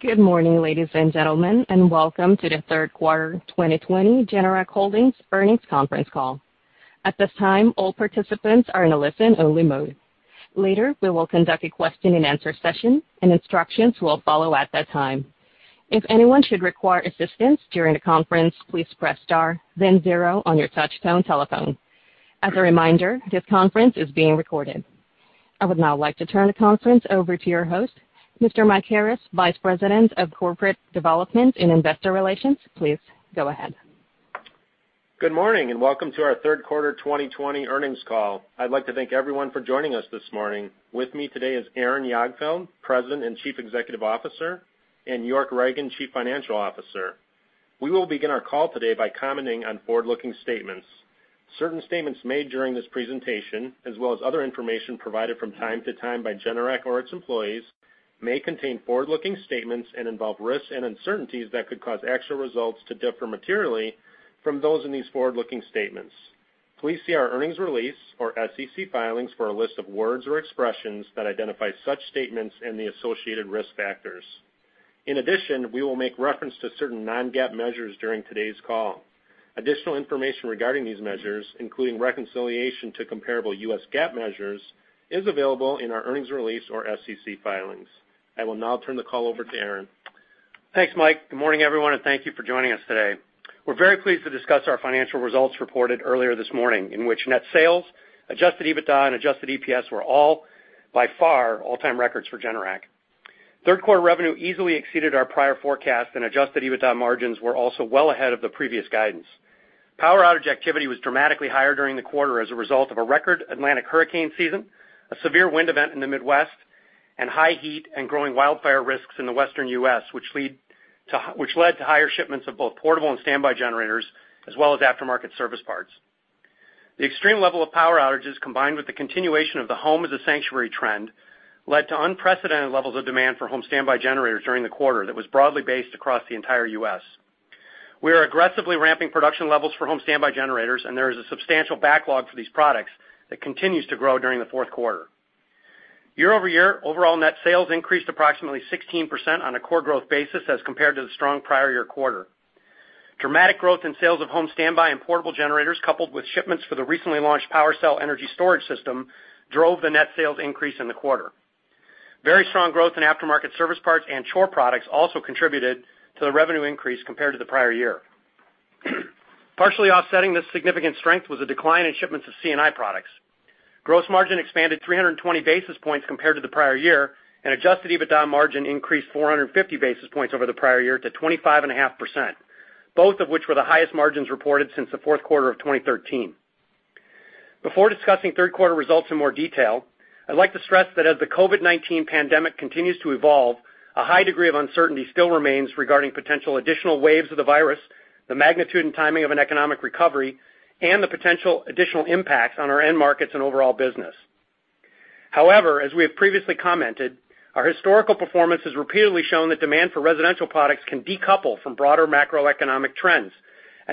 Good morning, ladies and gentlemen, welcome to the third quarter 2020 Generac Holdings earnings conference call. At this time, all participants are in a listen-only mode. Later, we will conduct a question and answer session, instructions will follow at that time. As a reminder, this conference is being recorded. I would now like to turn the conference over to your host, Mr. Mike Harris, Vice President, Corporate Development and Investor Relations. Please go ahead. Good morning, welcome to our third quarter 2020 earnings call. I'd like to thank everyone for joining us this morning. With me today is Aaron Jagdfeld, President and Chief Executive Officer, and York Ragen, Chief Financial Officer. We will begin our call today by commenting on forward-looking statements. Certain statements made during this presentation, as well as other information provided from time to time by Generac or its employees, may contain forward-looking statements and involve risks and uncertainties that could cause actual results to differ materially from those in these forward-looking statements. Please see our earnings release or SEC filings for a list of words or expressions that identify such statements and the associated risk factors. In addition, we will make reference to certain non-GAAP measures during today's call. Additional information regarding these measures, including reconciliation to comparable US GAAP measures, is available in our earnings release or SEC filings. I will now turn the call over to Aaron. Thanks, Mike. Good morning, everyone, and thank you for joining us today. We're very pleased to discuss our financial results reported earlier this morning, in which net sales, adjusted EBITDA, and adjusted EPS were all by far all-time records for Generac. Third quarter revenue easily exceeded our prior forecast, and adjusted EBITDA margins were also well ahead of the previous guidance. Power outage activity was dramatically higher during the quarter as a result of a record Atlantic hurricane season, a severe wind event in the Midwest, and high heat and growing wildfire risks in the Western U.S., which led to higher shipments of both portable and standby generators, as well as aftermarket service parts. The extreme level of power outages, combined with the continuation of the home as a sanctuary trend, led to unprecedented levels of demand for home standby generators during the quarter that was broadly based across the entire U.S. We are aggressively ramping production levels for home standby generators, and there is a substantial backlog for these products that continues to grow during the fourth quarter. Year-over-year, overall net sales increased approximately 16% on a core growth basis as compared to the strong prior year quarter. Dramatic growth in sales of home standby and portable generators, coupled with shipments for the recently launched PWRcell energy storage system, drove the net sales increase in the quarter. Very strong growth in aftermarket service parts and Chore products also contributed to the revenue increase compared to the prior year. Partially offsetting this significant strength was a decline in shipments of C&I products. Gross margin expanded 320 basis points compared to the prior year, adjusted EBITDA margin increased 450 basis points over the prior year to 25.5%, both of which were the highest margins reported since the fourth quarter of 2013. Before discussing third quarter results in more detail, I'd like to stress that as the COVID-19 pandemic continues to evolve, a high degree of uncertainty still remains regarding potential additional waves of the virus, the magnitude and timing of an economic recovery, and the potential additional impacts on our end markets and overall business. As we have previously commented, our historical performance has repeatedly shown that demand for residential products can decouple from broader macroeconomic trends,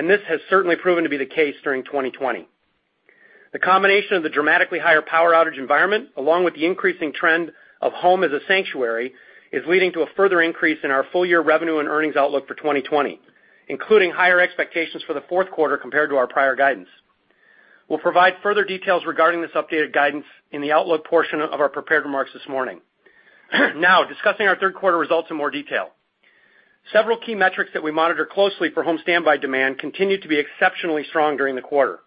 this has certainly proven to be the case during 2020. The combination of the dramatically higher power outage environment, along with the increasing trend of home as a sanctuary, is leading to a further increase in our full year revenue and earnings outlook for 2020, including higher expectations for the fourth quarter compared to our prior guidance. We'll provide further details regarding this updated guidance in the outlook portion of our prepared remarks this morning. Now, discussing our third quarter results in more detail. Several key metrics that we monitor closely for home standby demand continued to be exceptionally strong during the quarter.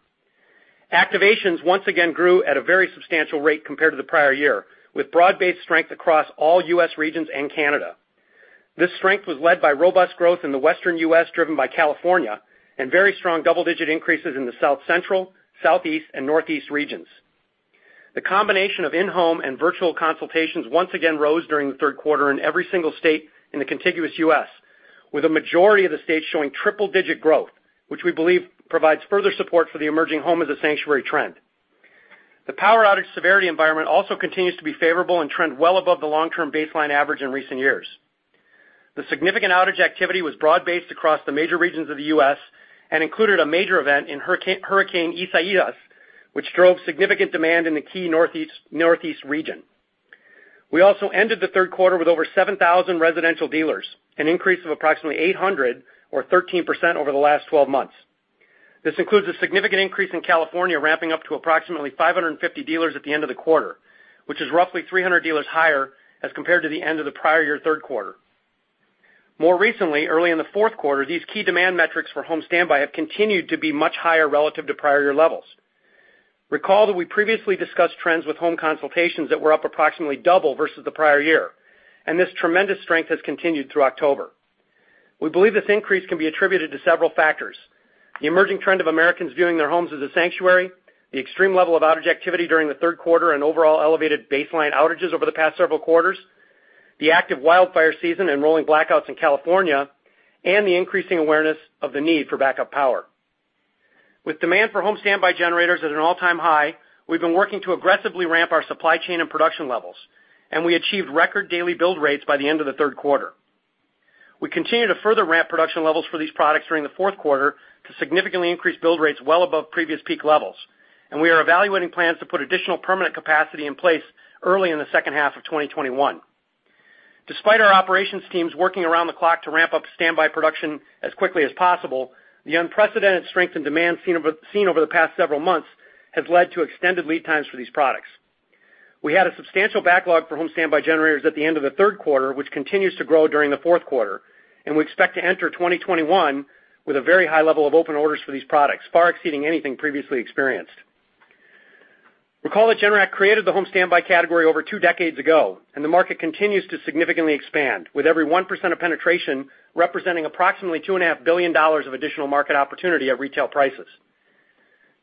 Activations once again grew at a very substantial rate compared to the prior year, with broad-based strength across all U.S. regions and Canada. This strength was led by robust growth in the Western U.S., driven by California, and very strong double-digit increases in the South Central, Southeast, and Northeast regions. The combination of in-home and virtual consultations once again rose during the third quarter in every single state in the contiguous U.S., with a majority of the states showing triple-digit growth, which we believe provides further support for the emerging home as a sanctuary trend. The power outage severity environment also continues to be favorable and trend well above the long-term baseline average in recent years. The significant outage activity was broad-based across the major regions of the U.S. and included a major event in Hurricane Isaias, which drove significant demand in the key Northeast region. We also ended the third quarter with over 7,000 residential dealers, an increase of approximately 800 or 13% over the last 12 months. This includes a significant increase in California ramping up to approximately 550 dealers at the end of the quarter, which is roughly 300 dealers higher as compared to the end of the prior year third quarter. More recently, early in the fourth quarter, these key demand metrics for home standby have continued to be much higher relative to prior year levels. Recall that we previously discussed trends with home consultations that were up approximately double versus the prior year, and this tremendous strength has continued through October. We believe this increase can be attributed to several factors: the emerging trend of Americans viewing their homes as a sanctuary, the extreme level of outage activity during the third quarter, and overall elevated baseline outages over the past several quarters, the active wildfire season and rolling blackouts in California, and the increasing awareness of the need for backup power. With demand for home standby generators at an all-time high, we've been working to aggressively ramp our supply chain and production levels, and we achieved record daily build rates by the end of the third quarter. We continue to further ramp production levels for these products during the fourth quarter to significantly increase build rates well above previous peak levels, and we are evaluating plans to put additional permanent capacity in place early in the second half of 2021. Despite our operations teams working around the clock to ramp up standby production as quickly as possible, the unprecedented strength and demand seen over the past several months has led to extended lead times for these products. We had a substantial backlog for home standby generators at the end of the third quarter, which continues to grow during the fourth quarter, and we expect to enter 2021 with a very high level of open orders for these products, far exceeding anything previously experienced. Recall that Generac created the home standby category over two decades ago, and the market continues to significantly expand, with every 1% of penetration representing approximately $2.5 billion of additional market opportunity at retail prices.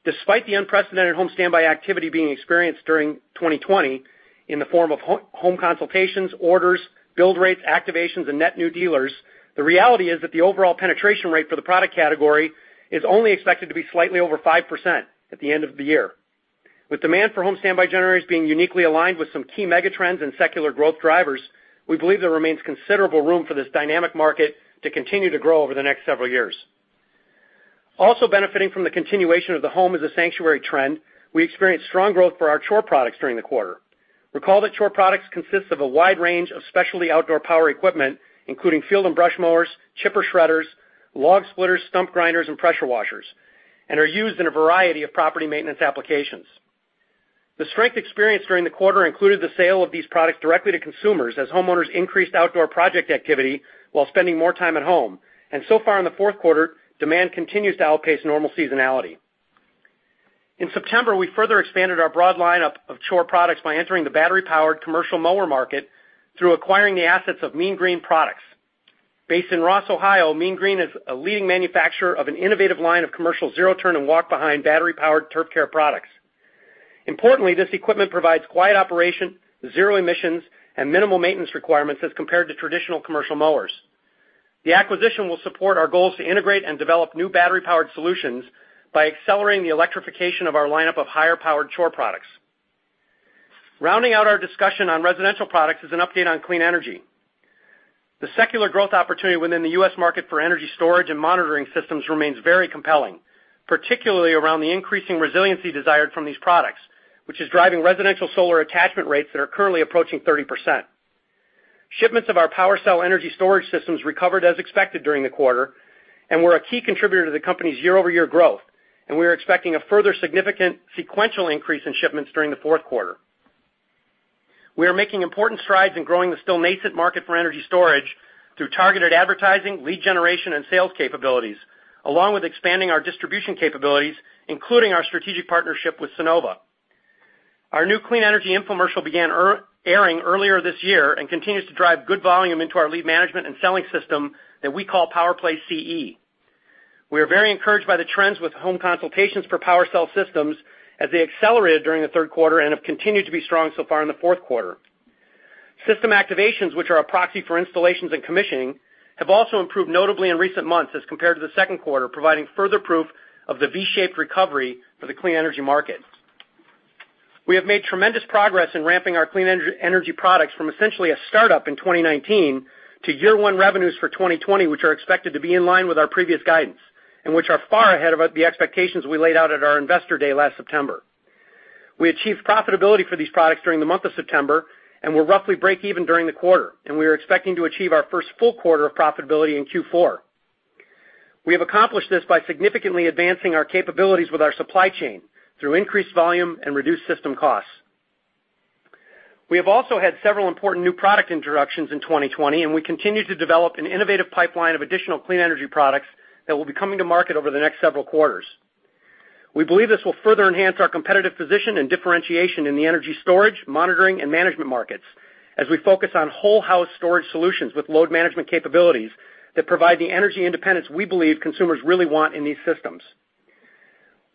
Despite the unprecedented home standby activity being experienced during 2020 in the form of home consultations, orders, build rates, activations, and net new dealers, the reality is that the overall penetration rate for the product category is only expected to be slightly over 5% at the end of the year. With demand for home standby generators being uniquely aligned with some key megatrends and secular growth drivers, we believe there remains considerable room for this dynamic market to continue to grow over the next several years. Also benefiting from the continuation of the home as a sanctuary trend, we experienced strong growth for our Chore products during the quarter. Recall that Chore products consists of a wide range of specialty outdoor power equipment, including field and brush mowers, chipper shredders, log splitters, stump grinders, and pressure washers, and are used in a variety of property maintenance applications. The strength experienced during the quarter included the sale of these products directly to consumers as homeowners increased outdoor project activity while spending more time at home. So far in the fourth quarter, demand continues to outpace normal seasonality. In September, we further expanded our broad lineup of Chore products by entering the battery-powered commercial mower market through acquiring the assets of Mean Green Products. Based in Ross, Ohio, Mean Green is a leading manufacturer of an innovative line of commercial zero-turn and walk-behind battery-powered turf care products. Importantly, this equipment provides quiet operation, zero emissions, and minimal maintenance requirements as compared to traditional commercial mowers. The acquisition will support our goals to integrate and develop new battery-powered solutions by accelerating the electrification of our lineup of higher-powered Chore products. Rounding out our discussion on residential products is an update on clean energy. The secular growth opportunity within the U.S. market for energy storage and monitoring systems remains very compelling, particularly around the increasing resiliency desired from these products, which is driving residential solar attachment rates that are currently approaching 30%. Shipments of our PWRcell energy storage systems recovered as expected during the quarter and were a key contributor to the company's year-over-year growth. We are expecting a further significant sequential increase in shipments during the fourth quarter. We are making important strides in growing the still nascent market for energy storage through targeted advertising, lead generation, and sales capabilities, along with expanding our distribution capabilities, including our strategic partnership with Sunnova. Our new clean energy infomercial began airing earlier this year and continues to drive good volume into our lead management and selling system that we call PowerPlay CE. We are very encouraged by the trends with home consultations for PWRcell systems as they accelerated during the third quarter and have continued to be strong so far in the fourth quarter. System activations, which are a proxy for installations and commissioning, have also improved notably in recent months as compared to the second quarter, providing further proof of the V-shaped recovery for the clean energy market. We have made tremendous progress in ramping our clean energy products from essentially a startup in 2019 to year one revenues for 2020, which are expected to be in line with our previous guidance and which are far ahead of the expectations we laid out at our investor day last September. We achieved profitability for these products during the month of September and were roughly break even during the quarter, and we are expecting to achieve our first full quarter of profitability in Q4. We have accomplished this by significantly advancing our capabilities with our supply chain through increased volume and reduced system costs. We have also had several important new product introductions in 2020, and we continue to develop an innovative pipeline of additional clean energy products that will be coming to market over the next several quarters. We believe this will further enhance our competitive position and differentiation in the energy storage, monitoring, and management markets as we focus on whole house storage solutions with load management capabilities that provide the energy independence we believe consumers really want in these systems.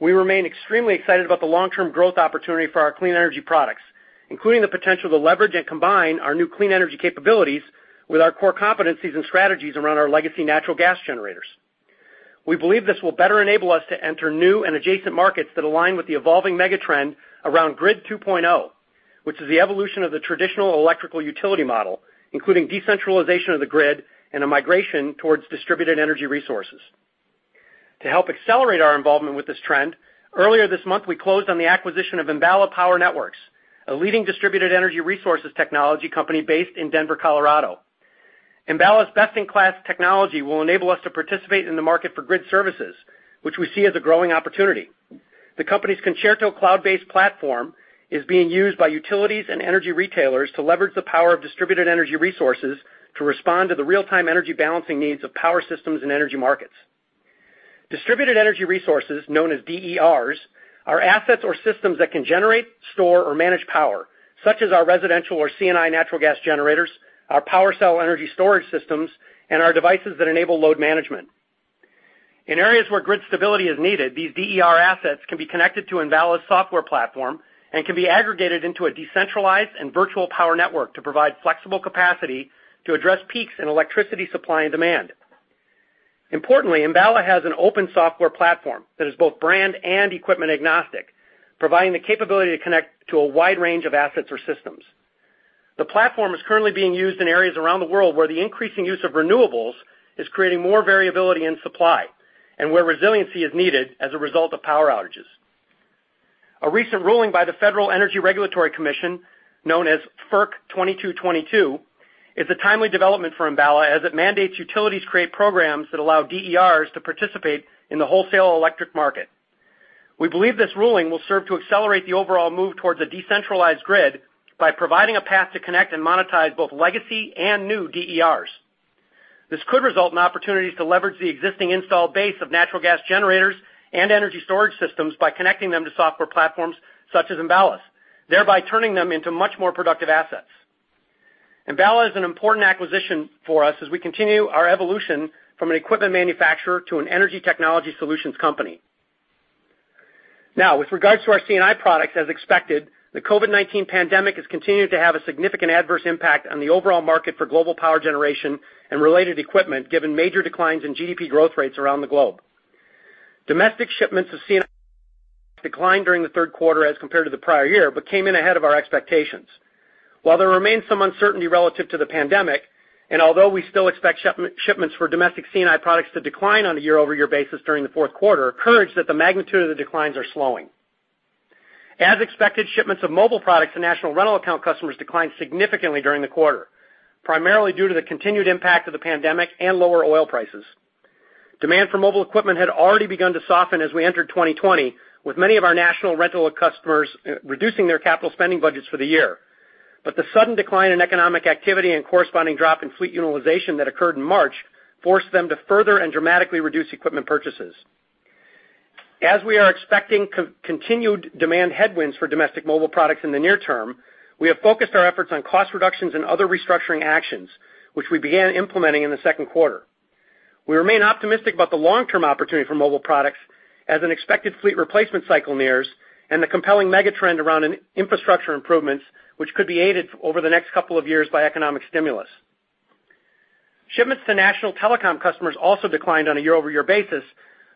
We remain extremely excited about the long-term growth opportunity for our clean energy products, including the potential to leverage and combine our new clean energy capabilities with our core competencies and strategies around our legacy natural gas generators. We believe this will better enable us to enter new and adjacent markets that align with the evolving megatrend around Grid 2.0, which is the evolution of the traditional electrical utility model, including decentralization of the grid and a migration towards distributed energy resources. To help accelerate our involvement with this trend, earlier this month, we closed on the acquisition of Enbala Power Networks, a leading distributed energy resources technology company based in Denver, Colorado. Enbala's best-in-class technology will enable us to participate in the market for grid services, which we see as a growing opportunity. The company's Concerto cloud-based platform is being used by utilities and energy retailers to leverage the power of distributed energy resources to respond to the real-time energy balancing needs of power systems and energy markets. Distributed energy resources, known as DERs, are assets or systems that can generate, store, or manage power, such as our residential or C&I natural gas generators, our PWRcell energy storage systems, and our devices that enable load management. In areas where grid stability is needed, these DER assets can be connected to Enbala's software platform and can be aggregated into a decentralized and virtual power network to provide flexible capacity to address peaks in electricity supply and demand. Importantly, Enbala has an open software platform that is both brand and equipment agnostic, providing the capability to connect to a wide range of assets or systems. The platform is currently being used in areas around the world where the increasing use of renewables is creating more variability in supply, and where resiliency is needed as a result of power outages. A recent ruling by the Federal Energy Regulatory Commission, known as FERC 2222, is a timely development for Enbala, as it mandates utilities create programs that allow DERs to participate in the wholesale electric market. We believe this ruling will serve to accelerate the overall move towards a decentralized grid by providing a path to connect and monetize both legacy and new DERs. This could result in opportunities to leverage the existing installed base of natural gas generators and energy storage systems by connecting them to software platforms such as Enbala's, thereby turning them into much more productive assets. Enbala is an important acquisition for us as we continue our evolution from an equipment manufacturer to an energy technology solutions company. Now, with regards to our C&I products, as expected, the COVID-19 pandemic has continued to have a significant adverse impact on the overall market for global power generation and related equipment, given major declines in GDP growth rates around the globe. Domestic shipments of C&I declined during the third quarter as compared to the prior year, but came in ahead of our expectations. While there remains some uncertainty relative to the pandemic, and although we still expect shipments for domestic C&I products to decline on a year-over-year basis during the fourth quarter, encouraged that the magnitude of the declines are slowing. As expected, shipments of mobile products to national rental account customers declined significantly during the quarter, primarily due to the continued impact of the pandemic and lower oil prices. Demand for mobile equipment had already begun to soften as we entered 2020, with many of our national rental customers reducing their capital spending budgets for the year. The sudden decline in economic activity and corresponding drop in fleet utilization that occurred in March forced them to further and dramatically reduce equipment purchases. As we are expecting continued demand headwinds for domestic mobile products in the near term, we have focused our efforts on cost reductions and other restructuring actions, which we began implementing in the second quarter. We remain optimistic about the long-term opportunity for mobile products as an expected fleet replacement cycle nears and the compelling mega-trend around infrastructure improvements, which could be aided over the next couple of years by economic stimulus. Shipments to national telecom customers also declined on a year-over-year basis,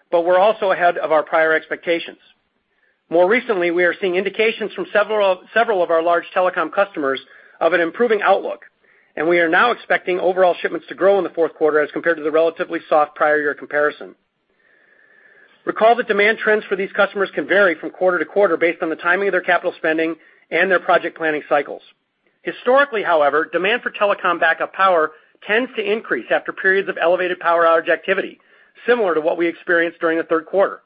but were also ahead of our prior expectations. More recently, we are seeing indications from several of our large telecom customers of an improving outlook, and we are now expecting overall shipments to grow in the fourth quarter as compared to the relatively soft prior year comparison. Recall that demand trends for these customers can vary from quarter to quarter based on the timing of their capital spending and their project planning cycles. Historically, however, demand for telecom backup power tends to increase after periods of elevated power outage activity, similar to what we experienced during the third quarter.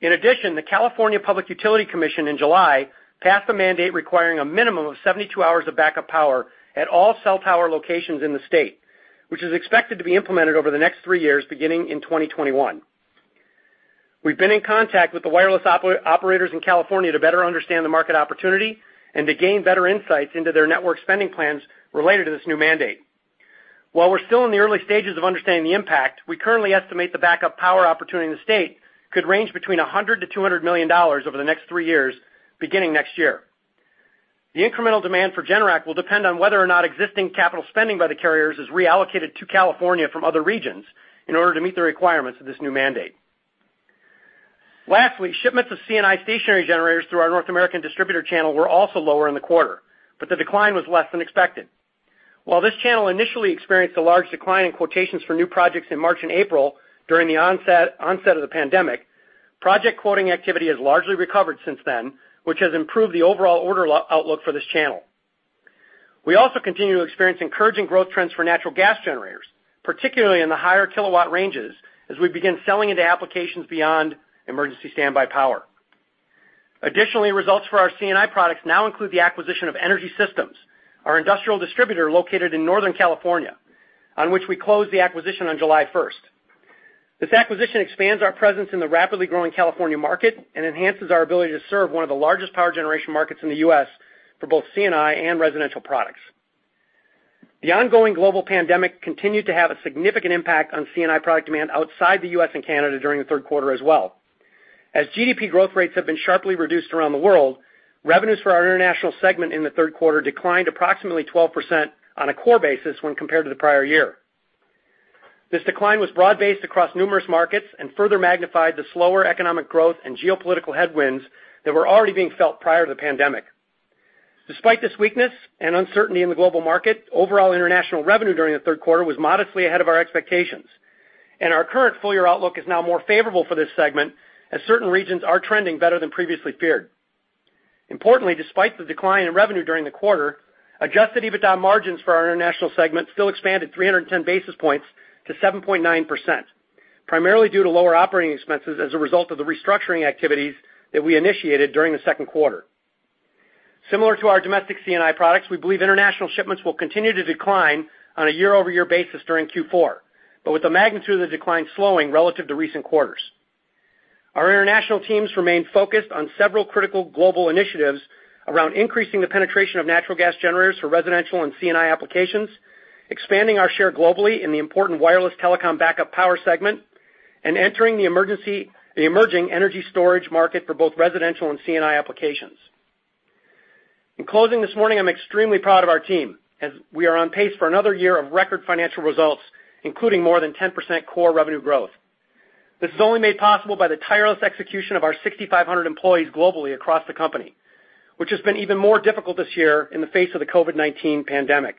In addition, the California Public Utilities Commission in July passed a mandate requiring a minimum of 72 hours of backup power at all cell tower locations in the state, which is expected to be implemented over the next three years, beginning in 2021. We've been in contact with the wireless operators in California to better understand the market opportunity and to gain better insights into their network spending plans related to this new mandate. While we're still in the early stages of understanding the impact, we currently estimate the backup power opportunity in the state could range between $100 million-$200 million over the next three years, beginning next year. The incremental demand for Generac will depend on whether or not existing capital spending by the carriers is reallocated to California from other regions in order to meet the requirements of this new mandate. Lastly, shipments of C&I stationary generators through our North American distributor channel were also lower in the quarter, but the decline was less than expected. While this channel initially experienced a large decline in quotations for new projects in March and April during the onset of the pandemic, project quoting activity has largely recovered since then, which has improved the overall order outlook for this channel. We also continue to experience encouraging growth trends for natural gas generators, particularly in the higher kW ranges, as we begin selling into applications beyond emergency standby power. Additionally, results for our C&I products now include the acquisition of Energy Systems, our industrial distributor located in Northern California, on which we closed the acquisition on July 1st. This acquisition expands our presence in the rapidly growing California market and enhances our ability to serve one of the largest power generation markets in the U.S. for both C&I and residential products. The ongoing global pandemic continued to have a significant impact on C&I product demand outside the U.S. and Canada during the third quarter as well. GDP growth rates have been sharply reduced around the world, revenues for our international segment in the third quarter declined approximately 12% on a core basis when compared to the prior year. This decline was broad-based across numerous markets and further magnified the slower economic growth and geopolitical headwinds that were already being felt prior to the pandemic. Despite this weakness and uncertainty in the global market, overall international revenue during the third quarter was modestly ahead of our expectations, and our current full-year outlook is now more favorable for this segment, as certain regions are trending better than previously feared. Importantly, despite the decline in revenue during the quarter, adjusted EBITDA margins for our international segment still expanded 310 basis points to 7.9%, primarily due to lower operating expenses as a result of the restructuring activities that we initiated during the second quarter. Similar to our domestic C&I products, we believe international shipments will continue to decline on a year-over-year basis during Q4, but with the magnitude of the decline slowing relative to recent quarters. Our international teams remain focused on several critical global initiatives around increasing the penetration of natural gas generators for residential and C&I applications, expanding our share globally in the important wireless telecom backup power segment, and entering the emerging energy storage market for both residential and C&I applications. In closing this morning, I'm extremely proud of our team as we are on pace for another year of record financial results, including more than 10% core revenue growth. This is only made possible by the tireless execution of our 6,500 employees globally across the company, which has been even more difficult this year in the face of the COVID-19 pandemic.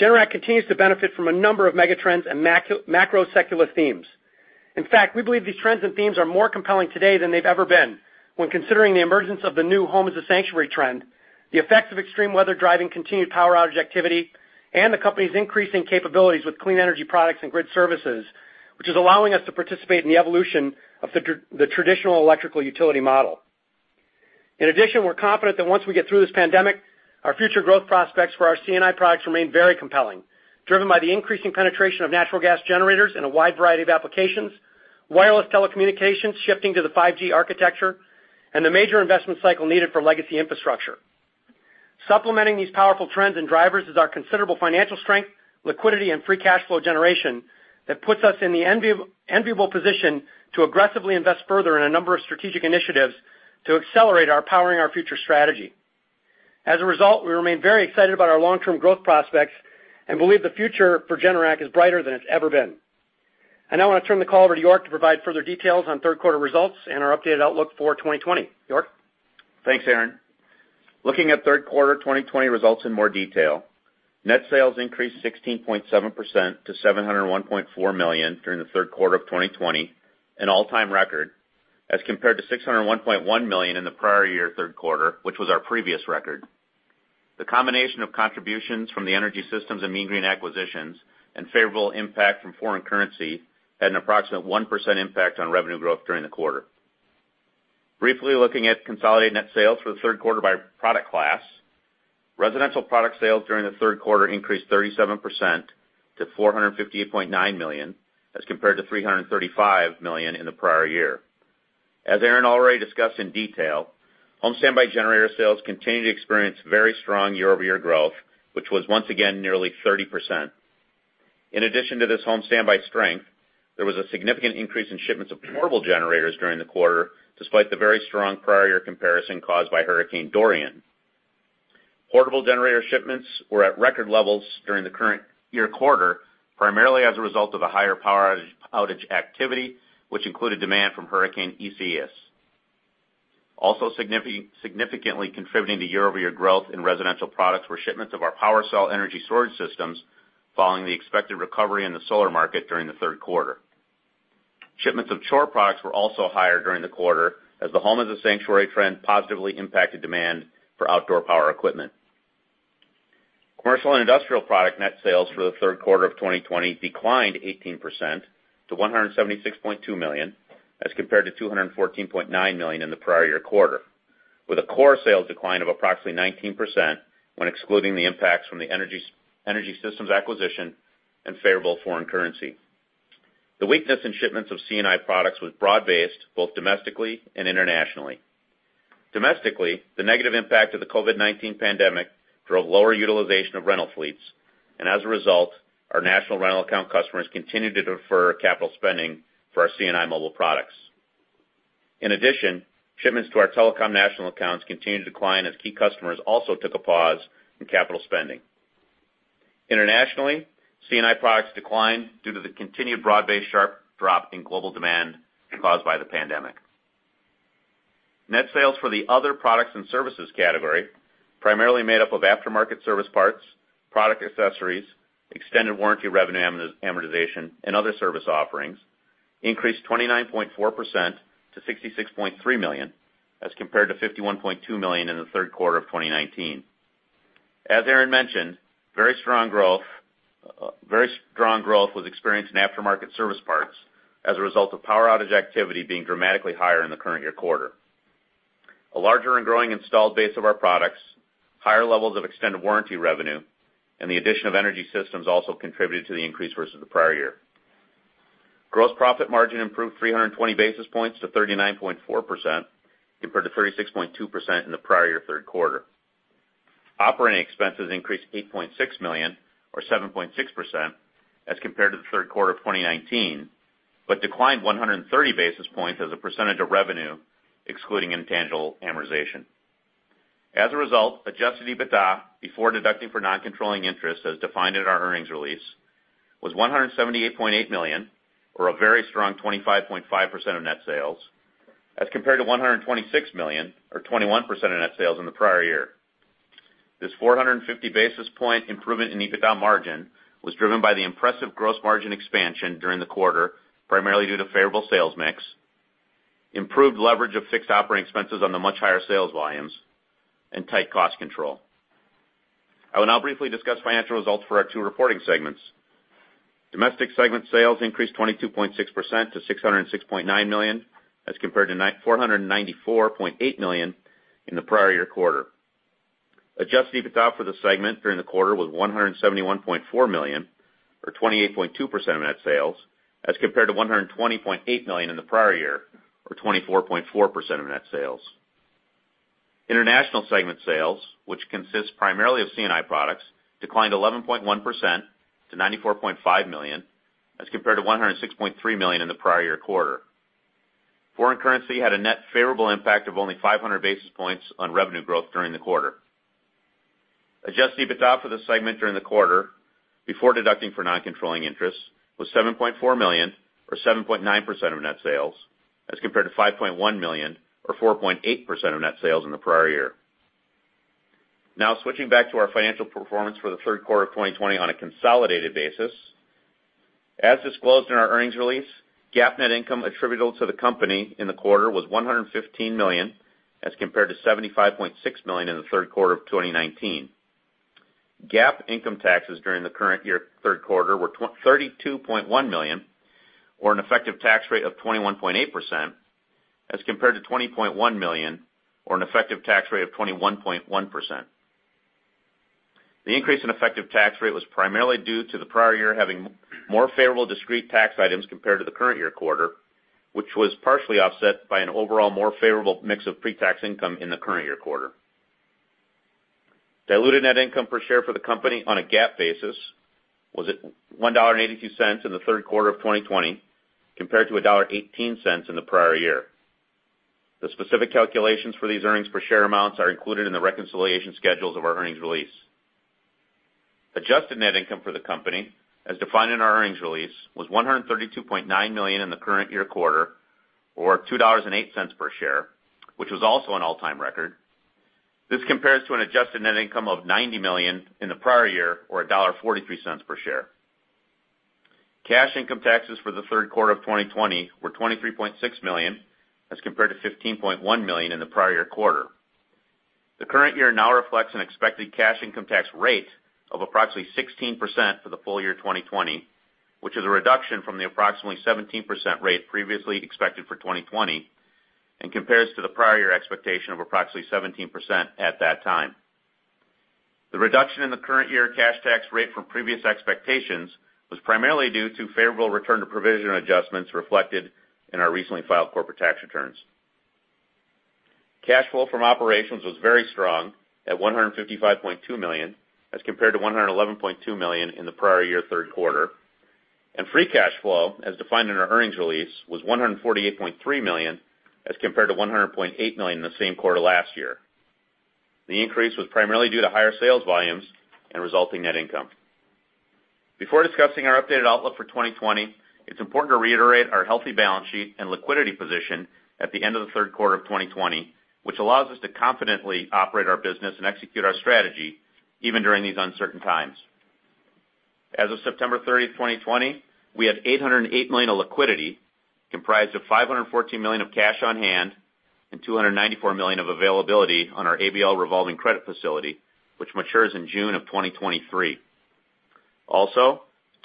Generac continues to benefit from a number of mega trends and macro secular themes. In fact, we believe these trends and themes are more compelling today than they've ever been when considering the emergence of the new home as a sanctuary trend, the effects of extreme weather driving continued power outage activity, and the company's increasing capabilities with clean energy products and Grid Services, which is allowing us to participate in the evolution of the traditional electrical utility model. In addition, we're confident that once we get through this pandemic, our future growth prospects for our C&I products remain very compelling, driven by the increasing penetration of natural gas generators in a wide variety of applications, wireless telecommunications shifting to the 5G architecture, and the major investment cycle needed for legacy infrastructure. Supplementing these powerful trends and drivers is our considerable financial strength, liquidity, and free cash flow generation that puts us in the enviable position to aggressively invest further in a number of strategic initiatives to accelerate our Powering Our Future strategy. As a result, we remain very excited about our long-term growth prospects and believe the future for Generac is brighter than it's ever been. I now want to turn the call over to York to provide further details on third quarter results and our updated outlook for 2020. York? Thanks, Aaron. Looking at third quarter 2020 results in more detail, net sales increased 16.7% to $701.4 million during the third quarter of 2020, an all-time record, as compared to $601.1 million in the prior year third quarter, which was our previous record. The combination of contributions from the Energy Systems and Mean Green acquisitions and favorable impact from foreign currency had an approximate 1% impact on revenue growth during the quarter. Briefly looking at consolidated net sales for the third quarter by product class, residential product sales during the third quarter increased 37% to $458.9 million, as compared to $335 million in the prior year. As Aaron already discussed in detail, home standby generator sales continue to experience very strong year-over-year growth, which was once again nearly 30%. In addition to this home standby strength, there was a significant increase in shipments of portable generators during the quarter, despite the very strong prior year comparison caused by Hurricane Dorian. Portable generator shipments were at record levels during the current year quarter, primarily as a result of a higher power outage activity, which included demand from Hurricane Isaias. Also significantly contributing to year-over-year growth in residential products were shipments of our PWRcell energy storage systems following the expected recovery in the solar market during the third quarter. Shipments of Chore products were also higher during the quarter as the home as a sanctuary trend positively impacted demand for outdoor power equipment. Commercial and industrial product net sales for the third quarter of 2020 declined 18% to $176.2 million, as compared to $214.9 million in the prior year quarter, with a core sales decline of approximately 19% when excluding the impacts from the Energy Systems acquisition and favorable foreign currency. The weakness in shipments of C&I products was broad-based, both domestically and internationally. Domestically, the negative impact of the COVID-19 pandemic drove lower utilization of rental fleets, and as a result, our national rental account customers continued to defer capital spending for our C&I mobile products. In addition, shipments to our telecom national accounts continued to decline as key customers also took a pause in capital spending. Internationally, C&I products declined due to the continued broad-based sharp drop in global demand caused by the pandemic. Net sales for the other products and services category, primarily made up of aftermarket service parts, product accessories, extended warranty revenue amortization, and other service offerings, increased 29.4% to $66.3 million, as compared to $51.2 million in the third quarter of 2019. As Aaron mentioned, very strong growth was experienced in aftermarket service parts as a result of power outage activity being dramatically higher in the current year quarter. A larger and growing installed base of our products, higher levels of extended warranty revenue, and the addition of Energy Systems also contributed to the increase versus the prior year. Gross profit margin improved 320 basis points to 39.4%, compared to 36.2% in the prior year third quarter. Operating expenses increased $8.6 million or 7.6% as compared to the third quarter of 2019, but declined 130 basis points as a percentage of revenue, excluding intangible amortization. As a result, adjusted EBITDA, before deducting for non-controlling interest as defined in our earnings release, was $178.8 million or a very strong 25.5% of net sales as compared to $126 million or 21% of net sales in the prior year. This 450 basis points improvement in EBITDA margin was driven by the impressive gross margin expansion during the quarter, primarily due to favorable sales mix, improved leverage of fixed operating expenses on the much higher sales volumes, and tight cost control. I will now briefly discuss financial results for our two reporting segments. Domestic segment sales increased 22.6% to $606.9 million as compared to $494.8 million in the prior year-quarter. Adjusted EBITDA for the segment during the quarter was $171.4 million or 28.2% of net sales as compared to $120.8 million in the prior year, or 24.4% of net sales. International segment sales, which consists primarily of C&I products, declined 11.1% to $94.5 million as compared to $106.3 million in the prior year quarter. Foreign currency had a net favorable impact of only 500 basis points on revenue growth during the quarter. Adjusted EBITDA for the segment during the quarter, before deducting for non-controlling interests, was $7.4 million or 7.9% of net sales as compared to $5.1 million or 4.8% of net sales in the prior year. Switching back to our financial performance for the third quarter of 2020 on a consolidated basis. As disclosed in our earnings release, GAAP net income attributable to the company in the quarter was $115 million, as compared to $75.6 million in the third quarter of 2019. GAAP income taxes during the current year third quarter were $32.1 million or an effective tax rate of 21.8%, as compared to $20.1 million or an effective tax rate of 21.1%. The increase in effective tax rate was primarily due to the prior year having more favorable discrete tax items compared to the current year quarter, which was partially offset by an overall more favorable mix of pre-tax income in the current year quarter. Diluted net income per share for the company on a GAAP basis was at $1.82 in the third quarter of 2020 compared to $1.18 in the prior year. The specific calculations for these earnings per share amounts are included in the reconciliation schedules of our earnings release. Adjusted net income for the company, as defined in our earnings release, was $132.9 million in the current year quarter, or $2.08 per share, which was also an all-time record. This compares to an adjusted net income of $90 million in the prior year, or $1.43 per share. Cash income taxes for the third quarter of 2020 were $23.6 million as compared to $15.1 million in the prior year quarter. The current year now reflects an expected cash income tax rate of approximately 16% for the full year 2020, which is a reduction from the approximately 17% rate previously expected for 2020 and compares to the prior year expectation of approximately 17% at that time. The reduction in the current year cash tax rate from previous expectations was primarily due to favorable return to provision adjustments reflected in our recently filed corporate tax returns. Cash flow from operations was very strong at $155.2 million as compared to $111.2 million in the prior year third quarter. Free cash flow, as defined in our earnings release, was $148.3 million as compared to $100.8 million in the same quarter last year. The increase was primarily due to higher sales volumes and resulting net income. Before discussing our updated outlook for 2020, it's important to reiterate our healthy balance sheet and liquidity position at the end of the third quarter of 2020, which allows us to confidently operate our business and execute our strategy even during these uncertain times. As of September 30th, 2020, we have $808 million of liquidity comprised of $514 million of cash on hand and $294 million of availability on our ABL revolving credit facility, which matures in June of 2023.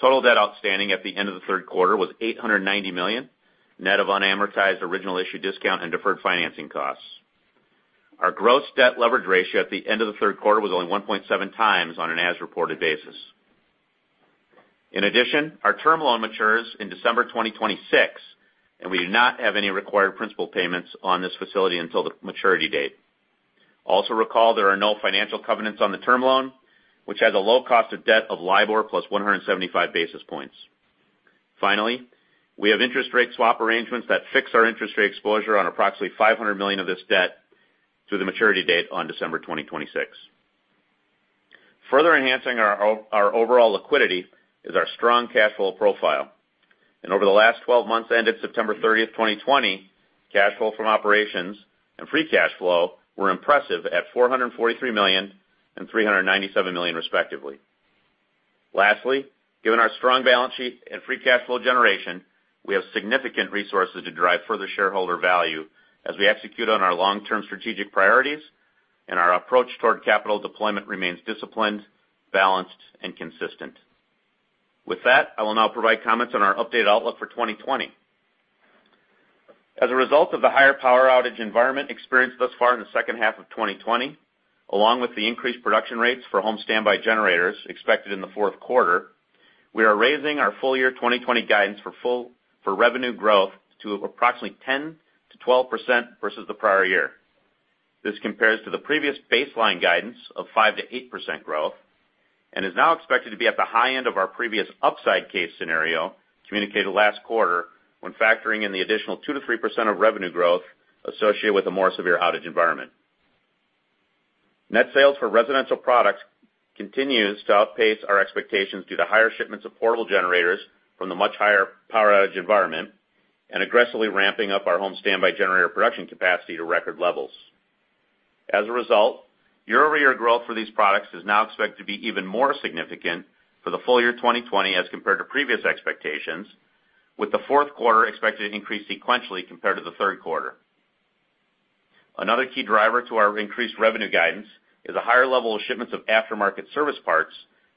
Total debt outstanding at the end of the third quarter was $890 million, net of unamortized original issue discount and deferred financing costs. Our gross debt leverage ratio at the end of the third quarter was only 1.7x on an as-reported basis. Our term loan matures in December 2026, and we do not have any required principal payments on this facility until the maturity date. Recall there are no financial covenants on the term loan, which has a low cost of debt of LIBOR plus 175 basis points. We have interest rate swap arrangements that fix our interest rate exposure on approximately $500 million of this debt to the maturity date on December 2026. Further enhancing our overall liquidity is our strong cash flow profile. Over the last 12 months ended September 30th, 2020, cash flow from operations and free cash flow were impressive at $443 million and $397 million respectively. Lastly, given our strong balance sheet and free cash flow generation, we have significant resources to drive further shareholder value as we execute on our long-term strategic priorities and our approach toward capital deployment remains disciplined, balanced and consistent. With that, I will now provide comments on our updated outlook for 2020. As a result of the higher power outage environment experienced thus far in the second half of 2020, along with the increased production rates for home standby generators expected in the fourth quarter, we are raising our full year 2020 guidance for revenue growth to approximately 10%-12% versus the prior year. This compares to the previous baseline guidance of 5%-8% growth and is now expected to be at the high end of our previous upside case scenario communicated last quarter when factoring in the additional 2%-3% of revenue growth associated with a more severe outage environment. Net sales for residential products continues to outpace our expectations due to higher shipments of portable generators from the much higher power outage environment and aggressively ramping up our home standby generator production capacity to record levels. As a result, year-over-year growth for these products is now expected to be even more significant for the full year 2020 as compared to previous expectations, with the fourth quarter expected to increase sequentially compared to the third quarter. Another key driver to our increased revenue guidance is a higher level of shipments of aftermarket service parts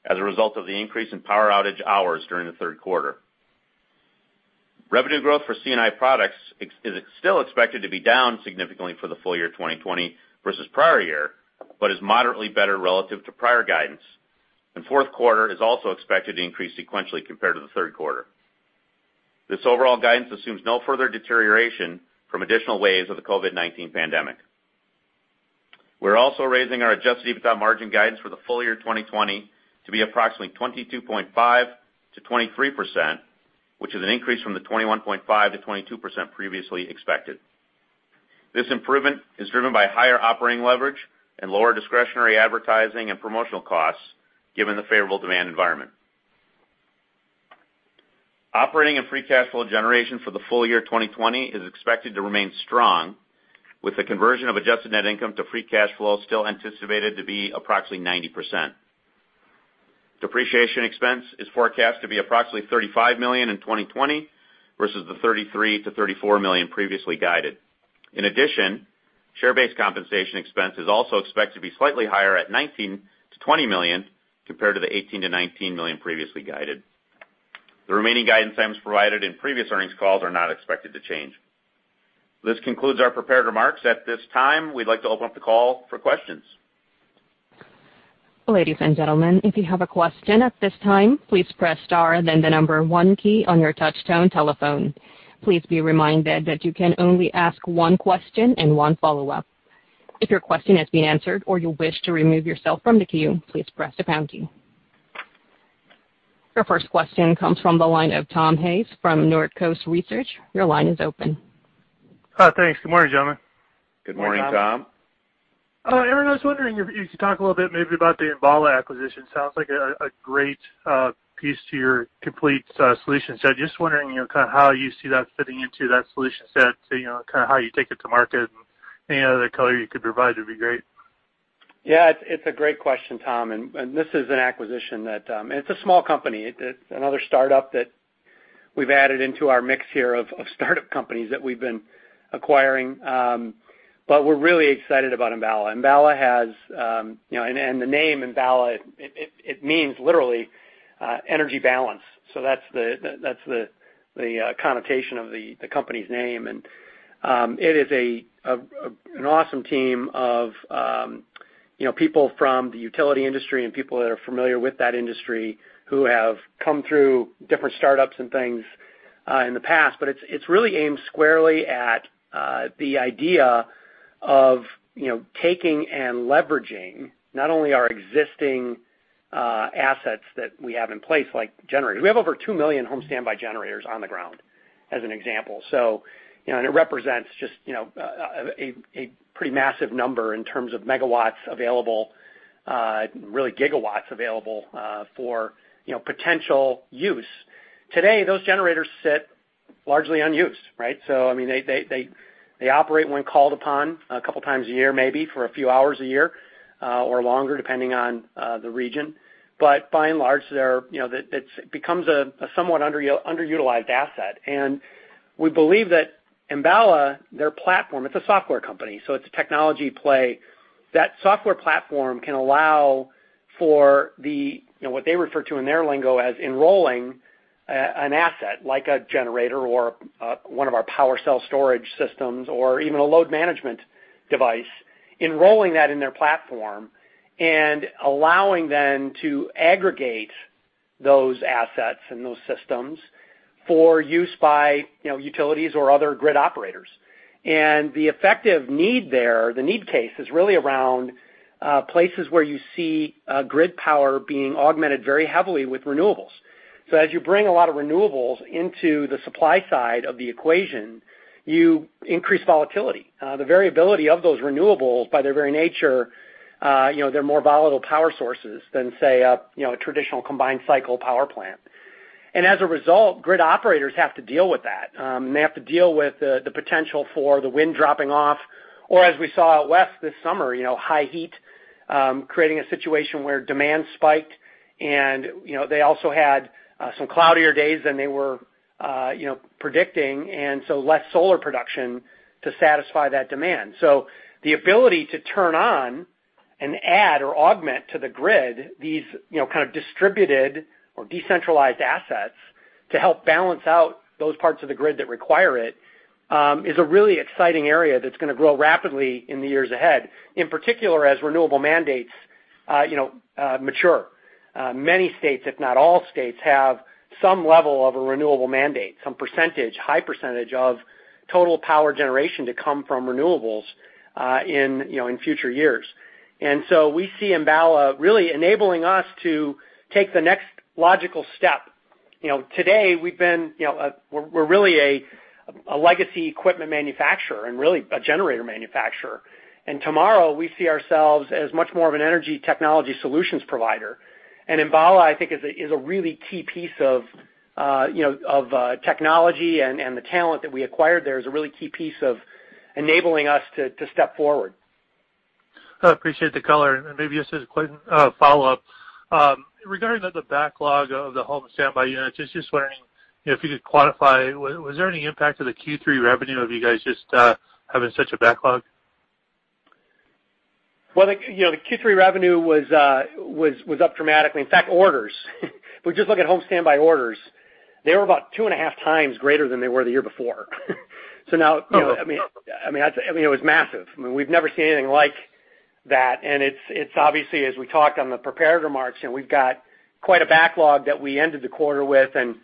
as a result of the increase in power outage hours during the third quarter. Revenue growth for C&I products is still expected to be down significantly for the full year 2020 versus prior year, but is moderately better relative to prior guidance. Fourth quarter is also expected to increase sequentially compared to the third quarter. This overall guidance assumes no further deterioration from additional waves of the COVID-19 pandemic. We're also raising our adjusted EBITDA margin guidance for the full year 2020 to be approximately 22.5%-23%, which is an increase from the 21.5%-22% previously expected. This improvement is driven by higher operating leverage and lower discretionary advertising and promotional costs given the favorable demand environment. Operating and free cash flow generation for the full year 2020 is expected to remain strong with the conversion of adjusted net income to free cash flow still anticipated to be approximately 90%. Depreciation expense is forecast to be approximately $35 million in 2020 versus the $33 million-$34 million previously guided. In addition, share-based compensation expense is also expected to be slightly higher at $19 million-$20 million, compared to the $18 million-$19 million previously guided. The remaining guidance items provided in previous earnings calls are not expected to change. This concludes our prepared remarks. At this time, we'd like to open up the call for questions. Ladies and gentlemen, if you have a question at this time, please press star then the number one key on your touch-tone telephone. Please be reminded that you can only ask one question and one follow-up. If your question has been answered or you wish to remove yourself from the queue, please press the pound key. Your first question comes from the line of Tom Hayes from Northcoast Research. Your line is open. Thanks. Good morning, gentlemen. Good morning, Tom. Aaron, I was wondering if you could talk a little bit maybe about the Enbala acquisition. Sounds like a great piece to your complete solution set. Just wondering how you see that fitting into that solution set, how you take it to market, and any other color you could provide would be great. Yeah, it's a great question, Tom. This is an acquisition that it's a small company. It's another startup that we've added into our mix here of startup companies that we've been acquiring. We're really excited about Enbala. The name Enbala, it means literally energy balance. That's the connotation of the company's name. It is an awesome team of people from the utility industry and people that are familiar with that industry who have come through different startups and things in the past. It's really aimed squarely at the idea of taking and leveraging not only our existing assets that we have in place like generators. We have over 2 million home standby generators on the ground, as an example. It represents just a pretty massive number in terms of megawatts available, really gigawatts available for potential use. Today, those generators sit largely unused, right? They operate when called upon a couple of times a year maybe for a few hours a year or longer depending on the region. By and large, it becomes a somewhat underutilized asset. We believe that Enbala, their platform, it's a software company, so it's a technology play. That software platform can allow for what they refer to in their lingo as enrolling an asset like a generator or one of our PWRcell storage systems or even a load management device, enrolling that in their platform and allowing then to aggregate those assets and those systems for use by utilities or other grid operators. The effective need there, the need case is really around places where you see grid power being augmented very heavily with renewables. As you bring a lot of renewables into the supply side of the equation, you increase volatility. The variability of those renewables by their very nature they're more volatile power sources than, say, a traditional combined cycle power plant. As a result, grid operators have to deal with that. They have to deal with the potential for the wind dropping off, or as we saw out west this summer high heat creating a situation where demand spiked and they also had some cloudier days than they were predicting, and so less solar production to satisfy that demand. The ability to turn on and add or augment to the grid these kind of distributed or decentralized assets to help balance out those parts of the grid that require it is a really exciting area that's going to grow rapidly in the years ahead, in particular as renewable mandates mature. Many states, if not all states, have some level of a renewable mandate, some percentage, high percentage of total power generation to come from renewables in future years. We see Enbala really enabling us to take the next logical step. Today we're really a legacy equipment manufacturer and really a generator manufacturer. Tomorrow we see ourselves as much more of an energy technology solutions provider. Enbala, I think, is a really key piece of technology and the talent that we acquired there is a really key piece of enabling us to step forward. I appreciate the color. Maybe just as a quick follow-up. Regarding the backlog of the home standby units, I was just wondering if you could quantify, was there any impact to the Q3 revenue of you guys just having such a backlog? Well, the Q3 revenue was up dramatically. In fact, orders. If we just look at home standby orders, they were about two and a half times greater than they were the year before. Now it was massive. We've never seen anything like that. It's obviously, as we talked on the prepared remarks, we've got quite a backlog that we ended the quarter with, and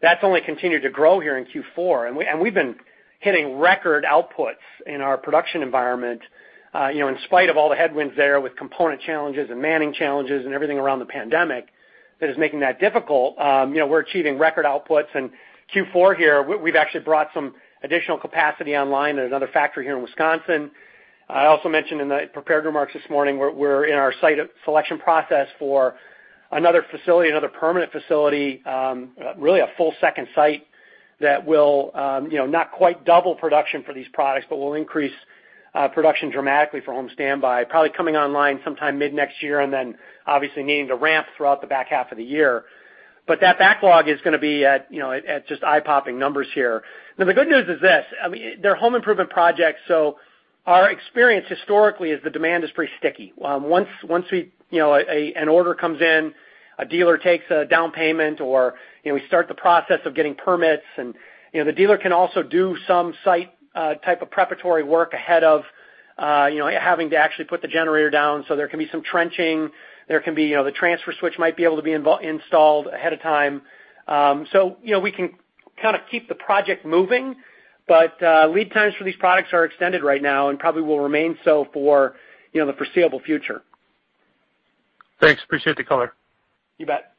that's only continued to grow here in Q4. We've been hitting record outputs in our production environment. In spite of all the headwinds there with component challenges and manning challenges and everything around the pandemic that is making that difficult, we're achieving record outputs in Q4 here. We've actually brought some additional capacity online at another factory here in Wisconsin. I also mentioned in the prepared remarks this morning, we're in our site selection process for another permanent facility, really a full second site that will not quite double production for these products, but will increase production dramatically for home standby. Probably coming online sometime mid next year and then obviously needing to ramp throughout the back half of the year. That backlog is going to be at just eye-popping numbers here. Now, the good news is this. They're home improvement projects, so our experience historically is the demand is pretty sticky. Once an order comes in, a dealer takes a down payment, or we start the process of getting permits, and the dealer can also do some site type of preparatory work ahead of having to actually put the generator down. There can be some trenching. The transfer switch might be able to be installed ahead of time. We can kind of keep the project moving, but lead times for these products are extended right now and probably will remain so for the foreseeable future. Thanks. Appreciate the color. You bet.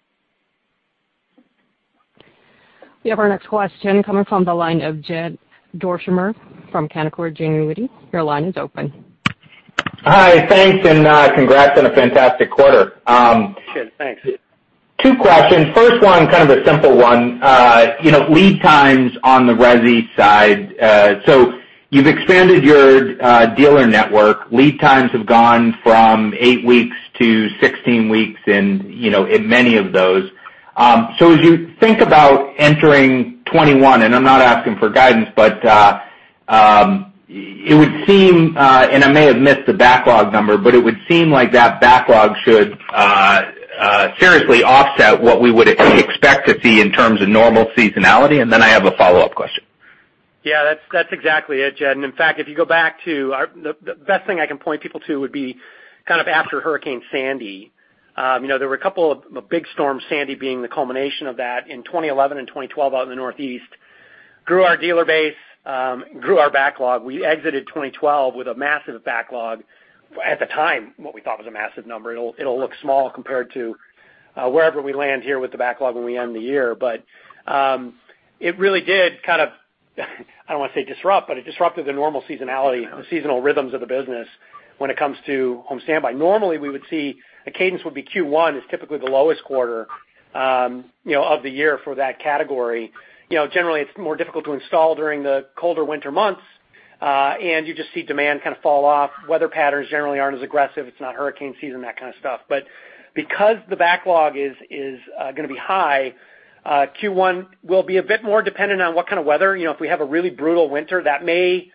We have our next question coming from the line of Jed Dorsheimer from Canaccord Genuity. Your line is open. Hi. Thanks, and congrats on a fantastic quarter. Jed, thanks. Two questions. First one, kind of a simple one. Lead times on the resi side. You've expanded your dealer network. Lead times have gone from eight weeks to 16 weeks in many of those. As you think about entering 2021, and I'm not asking for guidance, but it would seem, and I may have missed the backlog number, but it would seem like that backlog should seriously offset what we would expect to see in terms of normal seasonality. I have a follow-up question. Yeah, that's exactly it, Jed. In fact, the best thing I can point people to would be kind of after Hurricane Sandy. There were a couple of big storms, Sandy being the culmination of that in 2011 and 2012 out in the Northeast. Grew our dealer base, grew our backlog. We exited 2012 with a massive backlog. At the time, what we thought was a massive number. It'll look small compared to wherever we land here with the backlog when we end the year. It really did kind of I don't want to say disrupt, but it disrupted the normal seasonality, the seasonal rhythms of the business when it comes to home standby. Normally, we would see a cadence would be Q1 is typically the lowest quarter of the year for that category. Generally, it's more difficult to install during the colder winter months, and you just see demand kind of fall off. Weather patterns generally aren't as aggressive. It's not hurricane season, that kind of stuff. Because the backlog is going to be high, Q1 will be a bit more dependent on what kind of weather. If we have a really brutal winter, that may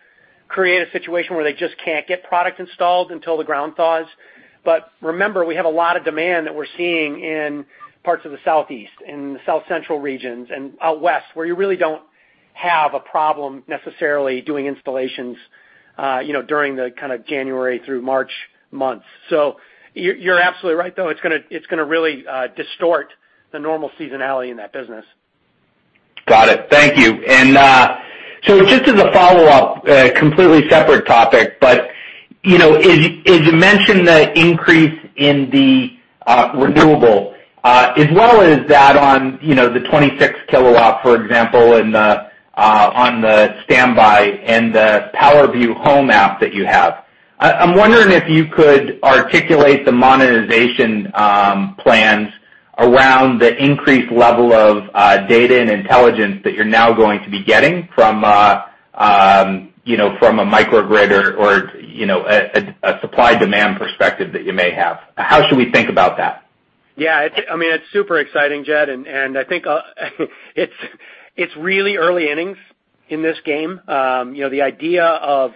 create a situation where they just can't get product installed until the ground thaws. Remember, we have a lot of demand that we're seeing in parts of the Southeast, in the South Central regions, and out West, where you really don't have a problem necessarily doing installations during the kind of January through March months. You're absolutely right, though. It's going to really distort the normal seasonality in that business. Got it. Thank you. Just as a follow-up, completely separate topic. As you mentioned the increase in the renewable as well as that on the 26 kW, for example, on the standby and the PWRview Home app that you have. I'm wondering if you could articulate the monetization plans around the increased level of data and intelligence that you're now going to be getting from a microgrid or a supply-demand perspective that you may have. How should we think about that? Yeah. It's super exciting, Jed. I think it's really early innings in this game. The idea of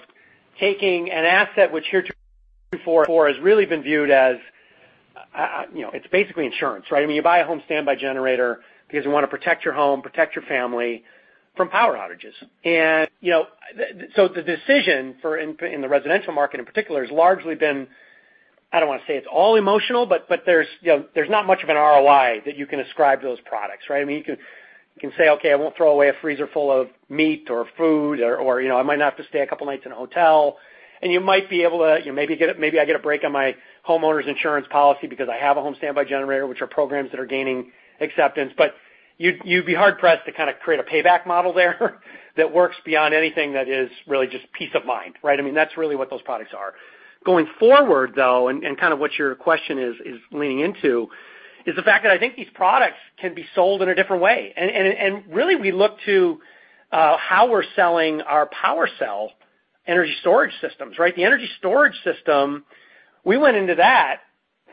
taking an asset which heretofore has really been viewed as basically insurance, right? You buy a home standby generator because you want to protect your home, protect your family from power outages. The decision in the residential market in particular has largely been, I don't want to say it's all emotional, but there's not much of an ROI that you can ascribe to those products, right? You can say, "Okay, I won't throw away a freezer full of meat or food," or, "I might not have to stay a couple of nights in a hotel." Maybe I get a break on my homeowner's insurance policy because I have a home standby generator, which are programs that are gaining acceptance. You'd be hard-pressed to kind of create a payback model there that works beyond anything that is really just peace of mind, right? That's really what those products are. Going forward, though, and kind of what your question is leaning into, is the fact that I think these products can be sold in a different way. Really, we look to how we're selling our PWRcell energy storage systems, right? The energy storage system, we went into that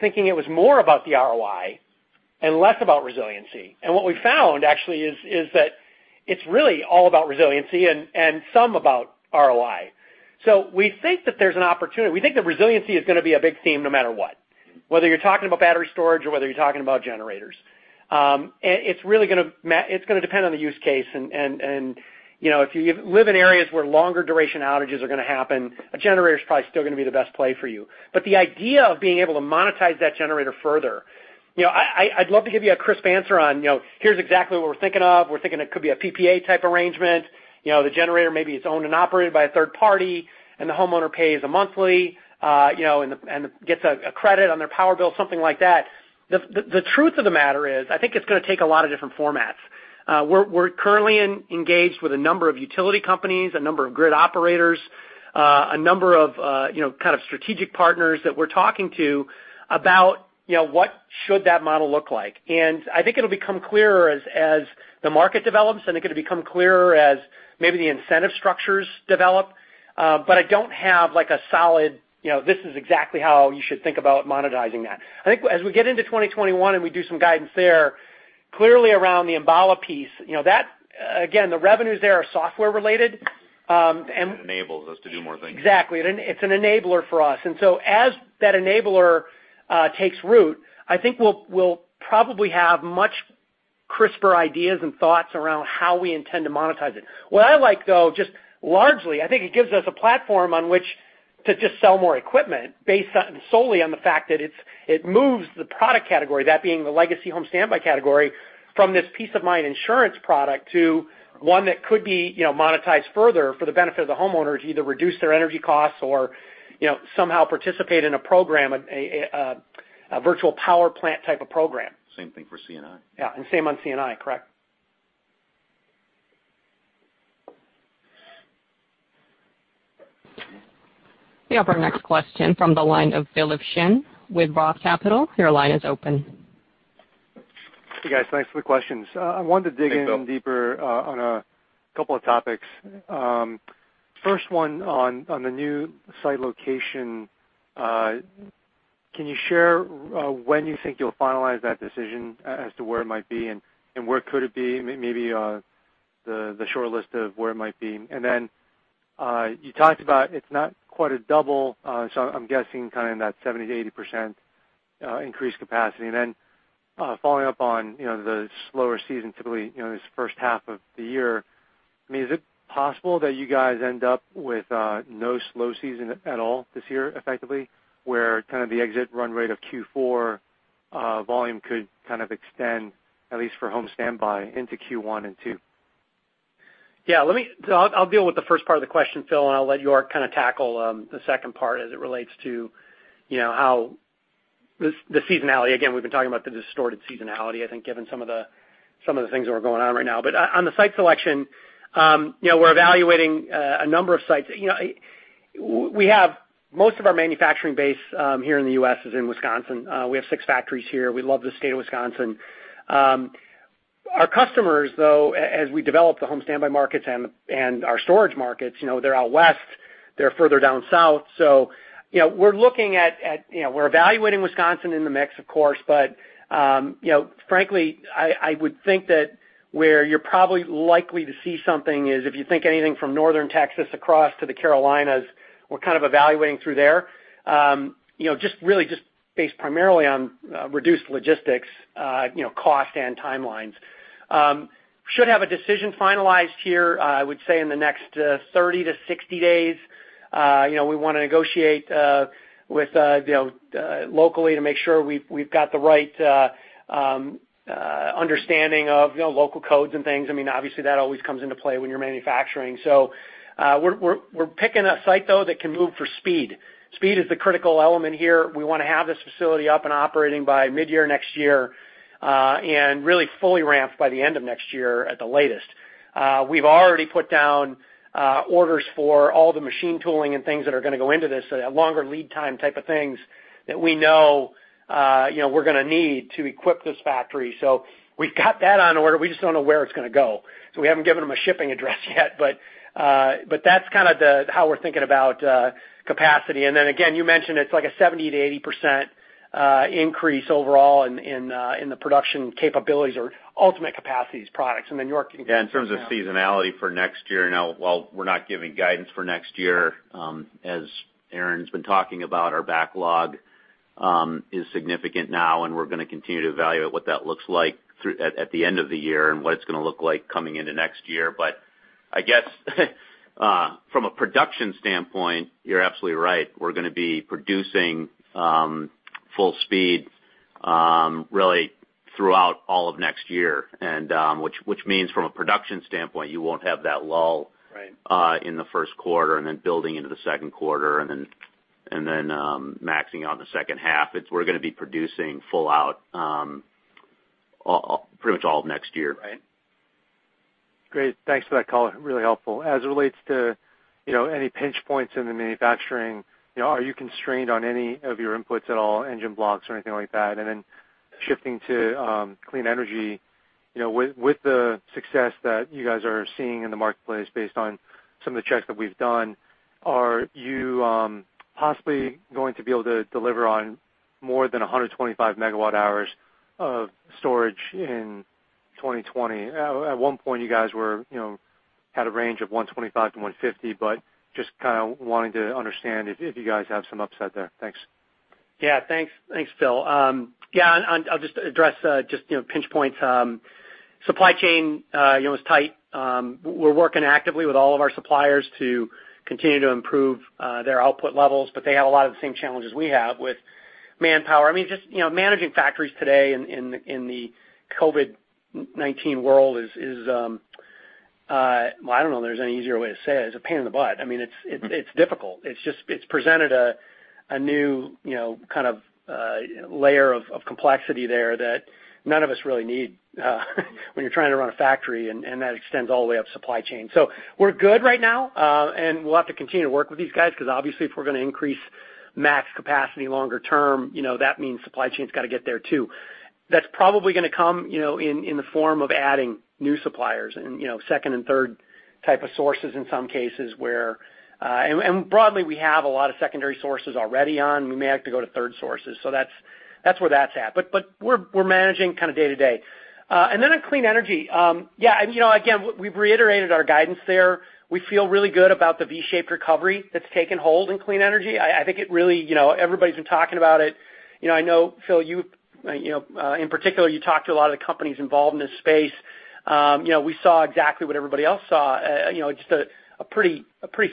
thinking it was more about the ROI and less about resiliency. What we found actually is that it's really all about resiliency and some about ROI. We think that there's an opportunity. We think that resiliency is going to be a big theme no matter what, whether you're talking about battery storage or whether you're talking about generators. It's going to depend on the use case, and if you live in areas where longer duration outages are going to happen, a generator is probably still going to be the best play for you. The idea of being able to monetize that generator further. I'd love to give you a crisp answer on, here's exactly what we're thinking of. We're thinking it could be a PPA type arrangement. The generator maybe is owned and operated by a third party, and the homeowner pays a monthly, and gets a credit on their power bill, something like that. The truth of the matter is, I think it's going to take a lot of different formats. We're currently engaged with a number of utility companies, a number of grid operators, a number of strategic partners that we're talking to about what should that model look like. I think it'll become clearer as the market develops, and it'll become clearer as maybe the incentive structures develop. I don't have a solid, this is exactly how you should think about monetizing that. I think as we get into 2021, and we do some guidance there, clearly around the Enbala piece, again, the revenues there are software related. Enables us to do more things. Exactly. It's an enabler for us. As that enabler takes root, I think we'll probably have much crisper ideas and thoughts around how we intend to monetize it. What I like, though, just largely, I think it gives us a platform on which to just sell more equipment based solely on the fact that it moves the product category, that being the legacy home standby category, from this peace-of-mind insurance product to one that could be monetized further for the benefit of the homeowners to either reduce their energy costs or somehow participate in a virtual power plant type of program. Same thing for C&I. Yeah, same on C&I, correct. We have our next question from the line of Philip Shen with Roth Capital. Your line is open. Hey, guys. Thanks for the questions. I wanted to dig in. Hey, Phil. deeper on a couple of topics. First one on the new site location. Can you share when you think you'll finalize that decision as to where it might be, and where could it be? Maybe the short list of where it might be. You talked about it's not quite a double, so I'm guessing in that 70%-80% increased capacity. Following up on the slower season typically in this first half of the year, is it possible that you guys end up with no slow season at all this year effectively, where the exit run rate of Q4 volume could extend at least for home standby into Q1 and Q2? Yeah. I'll deal with the first part of the question, Phil, and I'll let York tackle the second part as it relates to the seasonality. Again, we've been talking about the distorted seasonality, I think, given some of the things that are going on right now. On the site selection, we're evaluating a number of sites. Most of our manufacturing base here in the U.S. is in Wisconsin. We have six factories here. We love the state of Wisconsin. Our customers, though, as we develop the home standby markets and our storage markets, they're out west, they're further down south. We're evaluating Wisconsin in the mix, of course, but frankly I would think that where you're probably likely to see something is if you think anything from northern Texas across to the Carolinas, we're evaluating through there really just based primarily on reduced logistics cost and timelines. Should have a decision finalized here, I would say, in the next 30 to 60 days. We want to negotiate locally to make sure we've got the right understanding of local codes and things. Obviously that always comes into play when you're manufacturing. We're picking a site, though, that can move for speed. Speed is the critical element here. We want to have this facility up and operating by mid-year next year, and really fully ramped by the end of next year at the latest. We've already put down orders for all the machine tooling and things that are going to go into this, so that longer lead time type of things that we know we're going to need to equip this factory. We've got that on order. We just don't know where it's going to go, so we haven't given them a shipping address yet, but that's how we're thinking about capacity. Again, you mentioned it's like a 70%-80% increase overall in the production capabilities or ultimate capacity of these products. Yeah, in terms of seasonality for next year, while we're not giving guidance for next year, as Aaron's been talking about, our backlog is significant now, and we're going to continue to evaluate what that looks like at the end of the year and what it's going to look like coming into next year. I guess from a production standpoint, you're absolutely right. We're going to be producing full speed really throughout all of next year, which means from a production standpoint, you won't have that lull. Right in the first quarter and then building into the second quarter and then maxing out in the second half. We're going to be producing full out pretty much all of next year. Right. Great. Thanks for that, Color. Really helpful. As it relates to any pinch points in the manufacturing, are you constrained on any of your inputs at all, engine blocks or anything like that? Shifting to clean energy, with the success that you guys are seeing in the marketplace based on some of the checks that we've done, are you possibly going to be able to deliver on more than 125 MW hours of storage in 2020? At one point, you guys had a range of 125-150, just wanting to understand if you guys have some upside there. Thanks. Thanks, Phil. I'll just address pinch points. Supply chain is tight. We're working actively with all of our suppliers to continue to improve their output levels, but they have a lot of the same challenges we have with manpower. Managing factories today in the COVID-19 world is, well, I don't know if there's any easier way to say it. It's a pain in the butt. It's difficult. It's presented a new kind of layer of complexity there that none of us really need when you're trying to run a factory, and that extends all the way up the supply chain. We're good right now, and we'll have to continue to work with these guys because obviously if we're going to increase max capacity longer term, that means supply chain's got to get there too. That's probably going to come in the form of adding new suppliers and second and third type of sources in some cases. Broadly, we have a lot of secondary sources already on. We may have to go to third sources. That's where that's at. We're managing day to day. On clean energy. Again, we've reiterated our guidance there. We feel really good about the V-shaped recovery that's taken hold in clean energy. Everybody's been talking about it. I know, Philip, in particular, you talk to a lot of the companies involved in this space. We saw exactly what everybody else saw. Just a pretty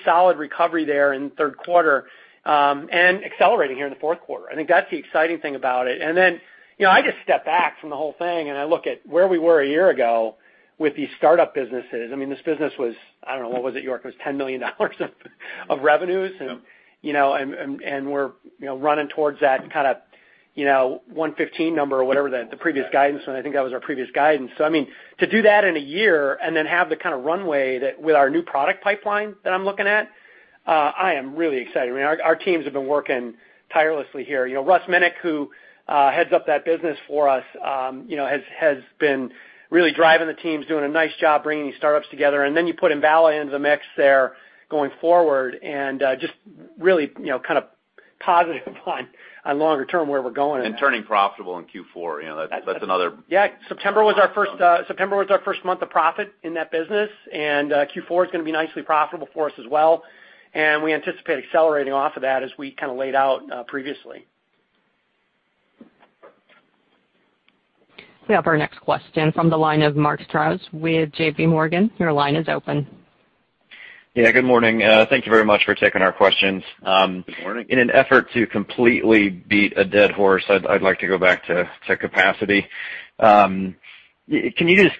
solid recovery there in the third quarter, and accelerating here in the fourth quarter. I think that's the exciting thing about it. I just step back from the whole thing, and I look at where we were a year ago with these startup businesses. This business was, I don't know, what was it, York? It was $10 million of revenues? Yep. We're running towards that kind of 115 number or whatever the previous guidance was. I think that was our previous guidance. To do that in a year and then have the kind of runway with our new product pipeline that I'm looking at, I am really excited. Our teams have been working tirelessly here. Russ Minick, who heads up that business for us has been really driving the teams, doing a nice job bringing these startups together. Then you put Enbala into the mix there going forward, and just really kind of positive on longer term where we're going. Turning profitable in Q4. September was our first month of profit in that business. Q4 is going to be nicely profitable for us as well. We anticipate accelerating off of that as we kind of laid out previously. We have our next question from the line of Mark Strouse with JPMorgan. Your line is open. Yeah, good morning. Thank you very much for taking our questions. Good morning. In an effort to completely beat a dead horse, I'd like to go back to capacity. Can you just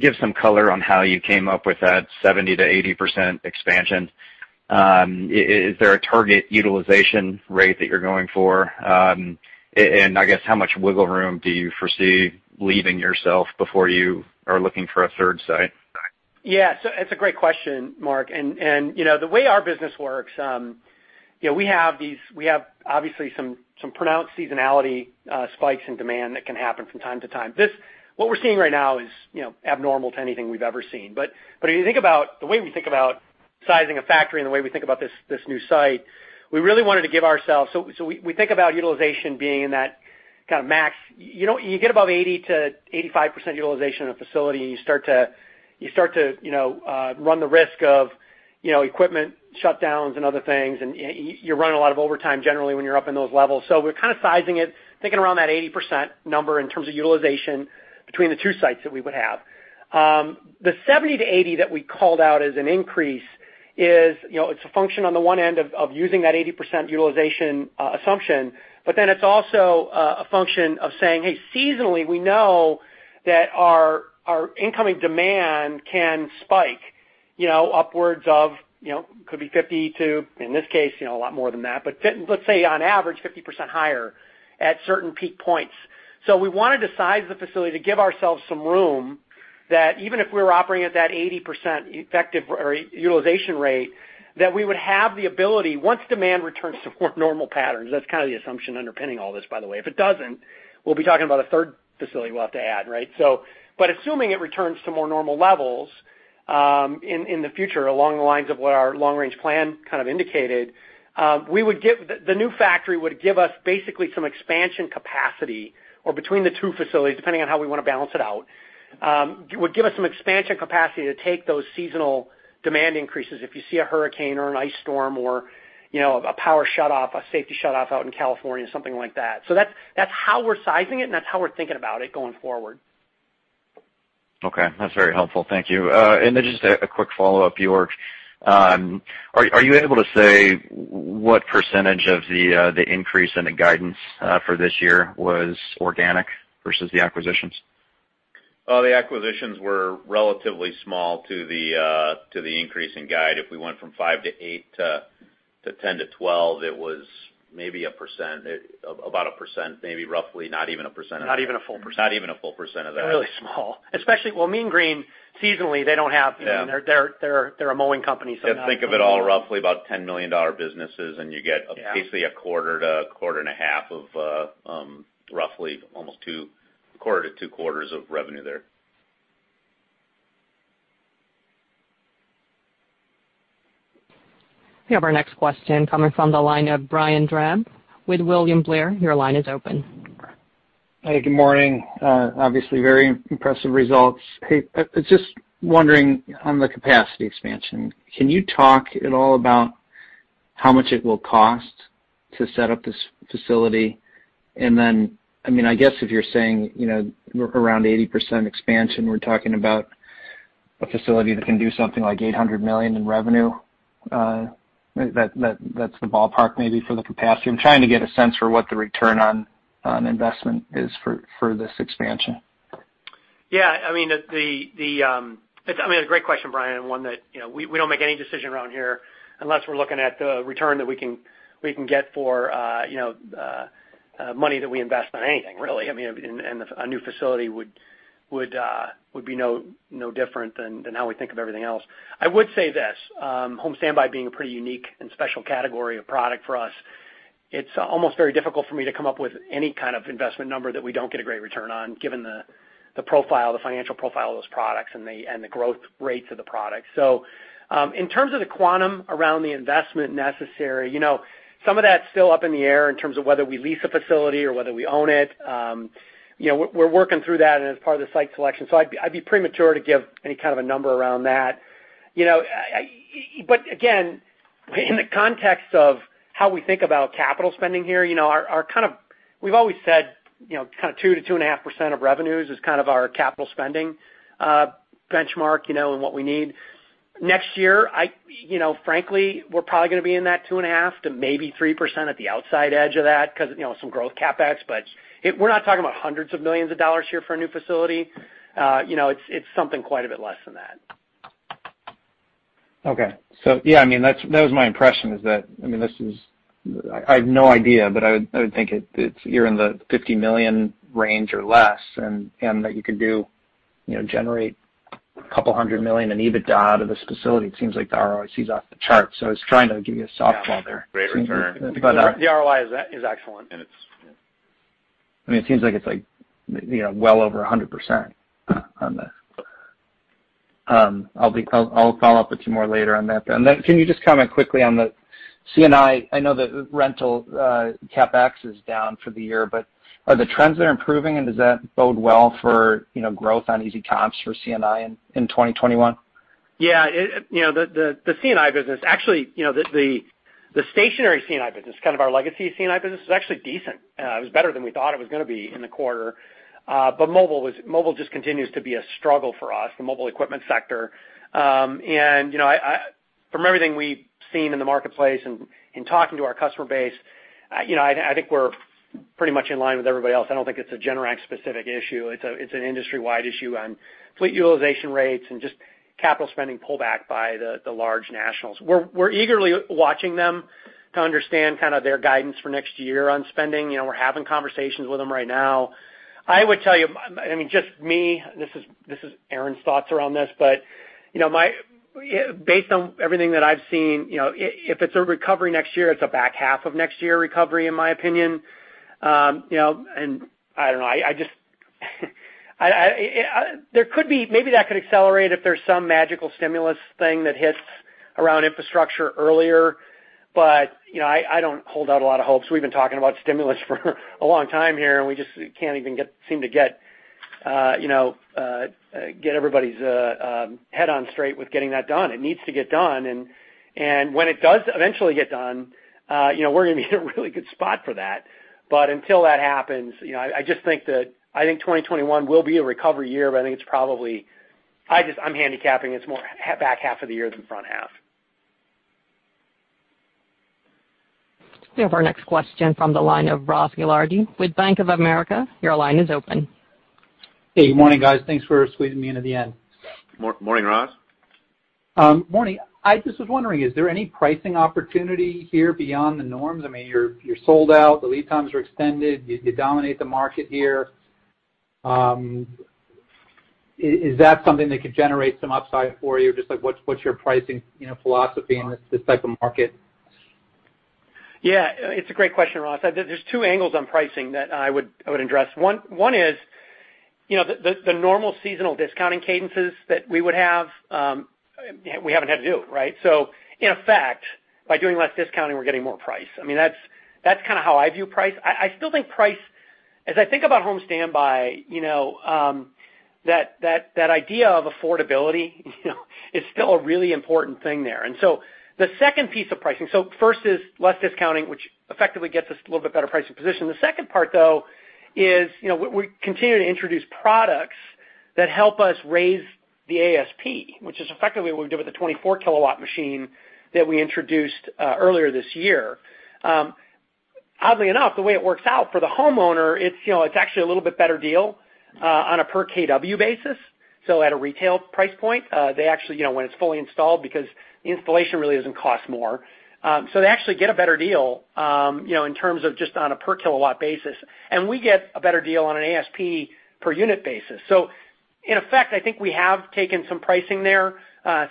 give some color on how you came up with that 70%-80% expansion? Is there a target utilization rate that you're going for? I guess how much wiggle room do you foresee leaving yourself before you are looking for a third site? Yeah. It's a great question, Mark. The way our business works, we have obviously some pronounced seasonality spikes in demand that can happen from time to time. What we're seeing right now is abnormal to anything we've ever seen. The way we think about sizing a factory and the way we think about this new site, we really wanted to give ourselves, we think about utilization being in that kind of max. You get above 80% to 85% utilization in a facility, and you start to run the risk of equipment shutdowns and other things, and you run a lot of overtime generally when you're up in those levels. We're kind of sizing it, thinking around that 80% number in terms of utilization between the two sites that we would have. The 70% to 80% that we called out as an increase is a function on the one end of using that 80% utilization assumption. It's also a function of saying, hey, seasonally, we know that our incoming demand can spike upwards of, could be 52%, in this case, a lot more than that. Let's say on average, 50% higher at certain peak points. We wanted to size the facility to give ourselves some room that even if we were operating at that 80% effective utilization rate, that we would have the ability, once demand returns to more normal patterns, that's kind of the assumption underpinning all this, by the way. If it doesn't, we'll be talking about a third facility we'll have to add. Assuming it returns to more normal levels in the future, along the lines of what our long-range plan kind of indicated, the new factory would give us basically some expansion capacity, or between the two facilities, depending on how we want to balance it out, would give us some expansion capacity to take those seasonal demand increases if you see a hurricane or an ice storm or a power shut off, a safety shut off out in California, something like that. That's how we're sizing it, and that's how we're thinking about it going forward. Okay. That's very helpful. Thank you. Just a quick follow-up, York. Are you able to say what % of the increase in the guidance for this year was organic versus the acquisitions? The acquisitions were relatively small to the increase in guide. If we went from five to eight to 10 to 12, it was maybe a %, about a %, maybe roughly not even a % of that. Not even a full %. Not even a full % of that. Really small. Well, Mean Green, seasonally, they don't have. Yeah. They're a mowing company. Yeah, think of it all roughly about $10 million businesses, and you get. Yeah basically a quarter to a quarter and a half of roughly almost two, a quarter to two quarters of revenue there. We have our next question coming from the line of Brian Drab with William Blair. Your line is open. Hey, good morning. Obviously very impressive results. Hey, I was just wondering on the capacity expansion, can you talk at all about how much it will cost? To set up this facility. I guess if you're saying around 80% expansion, we're talking about a facility that can do something like $800 million in revenue. That's the ballpark, maybe, for the capacity. I'm trying to get a sense for what the ROI is for this expansion. Yeah. A great question, Brian. One that we don't make any decision around here unless we're looking at the return that we can get for money that we invest on anything, really. A new facility would be no different than how we think of everything else. I would say this, home standby being a pretty unique and special category of product for us, it's almost very difficult for me to come up with any kind of investment number that we don't get a great return on given the financial profile of those products and the growth rates of the product. In terms of the quantum around the investment necessary, some of that's still up in the air in terms of whether we lease a facility or whether we own it. We're working through that and as part of the site selection. I'd be premature to give any kind of a number around that. But again, in the context of how we think about capital spending here, we've always said 2%-2.5% of revenues is kind of our capital spending benchmark and what we need. Next year, frankly, we're probably going to be in that 2.5%-3% at the outside edge of that because of some growth CapEx. But we're not talking about hundreds of millions of dollars here for a new facility. It's something quite a bit less than that. Okay. Yeah, that was my impression is that I have no idea, but I would think you're in the $50 million range or less, and that you could generate a couple hundred million in EBITDA out of this facility. It seems like the ROI seems off the chart. I was trying to give you a softball there. Yeah. Great return. The ROI is excellent. It seems like it's well over 100% on this. I'll follow up with two more later on that. Can you just comment quickly on the C&I? I know the rental CapEx is down for the year, but are the trends there improving, and does that bode well for growth on easy comps for C&I in 2021? The C&I business actually, the stationary C&I business, kind of our legacy C&I business, is actually decent. Mobile just continues to be a struggle for us, the mobile equipment sector. From everything we've seen in the marketplace and in talking to our customer base, I think we're pretty much in line with everybody else. I don't think it's a Generac specific issue. It's an industry-wide issue on fleet utilization rates and just capital spending pullback by the large nationals. We're eagerly watching them to understand kind of their guidance for next year on spending. We're having conversations with them right now. I would tell you, just me, this is Aaron's thoughts around this, but based on everything that I've seen, if it's a recovery next year, it's a back half of next year recovery, in my opinion. I don't know. Maybe that could accelerate if there's some magical stimulus thing that hits around infrastructure earlier, but I don't hold out a lot of hopes. We've been talking about stimulus for a long time here, and we just can't even seem to get everybody's head on straight with getting that done. It needs to get done, and when it does eventually get done, we're going to be in a really good spot for that. Until that happens, I think 2021 will be a recovery year, but I think I'm handicapping it's more back half of the year than front half. We have our next question from the line of Ross Gilardi with Bank of America. Your line is open. Hey, good morning, guys. Thanks for squeezing me in at the end. Morning, Ross. Morning. I just was wondering, is there any pricing opportunity here beyond the norms? You're sold out. The lead times are extended. You dominate the market here. Is that something that could generate some upside for you? Just what's your pricing philosophy in this type of market? Yeah. It's a great question, Ross. There's two angles on pricing that I would address. One is the normal seasonal discounting cadences that we would have, we haven't had to do, right? In effect, by doing less discounting, we're getting more price. That's kind of how I view price. I still think price, as I think about home standby, that idea of affordability is still a really important thing there. The second piece of pricing, so first is less discounting, which effectively gets us a little bit better pricing position. The second part, though, is we continue to introduce products that help us raise the ASP, which is effectively what we did with the 24 kW machine that we introduced earlier this year. Oddly enough, the way it works out for the homeowner, it's actually a little bit better deal on a per kW basis. At a retail price point, when it's fully installed because the installation really doesn't cost more. They actually get a better deal in terms of just on a per kilowatt basis. We get a better deal on an ASP per unit basis. In effect, I think we have taken some pricing there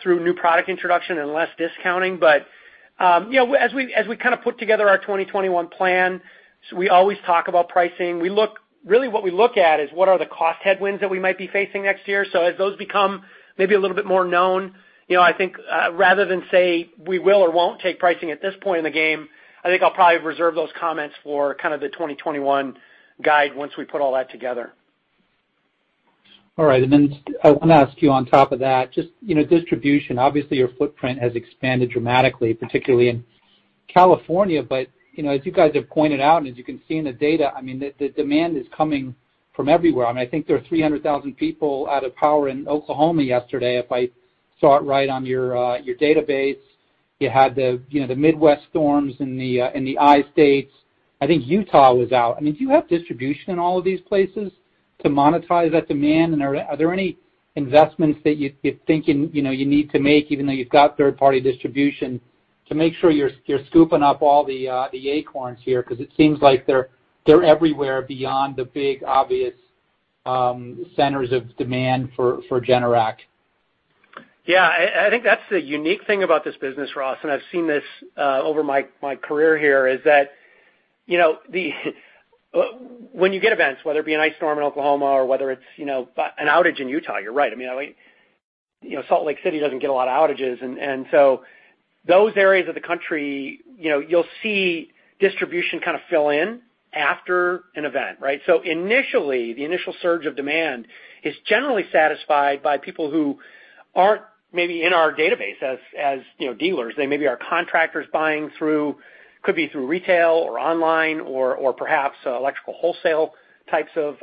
through new product introduction and less discounting. As we kind of put together our 2021 plan, we always talk about pricing. Really what we look at is what are the cost headwinds that we might be facing next year. As those become maybe a little bit more known, I think rather than say we will or won't take pricing at this point in the game, I think I'll probably reserve those comments for kind of the 2021 guide once we put all that together. All right. I want to ask you on top of that, just distribution. Obviously, your footprint has expanded dramatically, particularly in California. As you guys have pointed out, and as you can see in the data, the demand is coming from everywhere. I think there were 300,000 people out of power in Oklahoma yesterday, if I saw it right on your database. You had the Midwest storms and the I states. I think Utah was out. Do you have distribution in all of these places to monetize that demand? Are there any investments that you're thinking you need to make, even though you've got third-party distribution, to make sure you're scooping up all the acorns here? Because it seems like they're everywhere beyond the big obvious centers of demand for Generac. Yeah. I think that's the unique thing about this business, Ross, and I've seen this over my career here, is that when you get events, whether it be an ice storm in Oklahoma or whether it's an outage in Utah, you're right. Salt Lake City doesn't get a lot of outages. Those areas of the country, you'll see distribution kind of fill in after an event, right? Initially, the initial surge of demand is generally satisfied by people who aren't maybe in our database as dealers. They may be our contractors buying through, could be through retail or online or perhaps electrical wholesale types of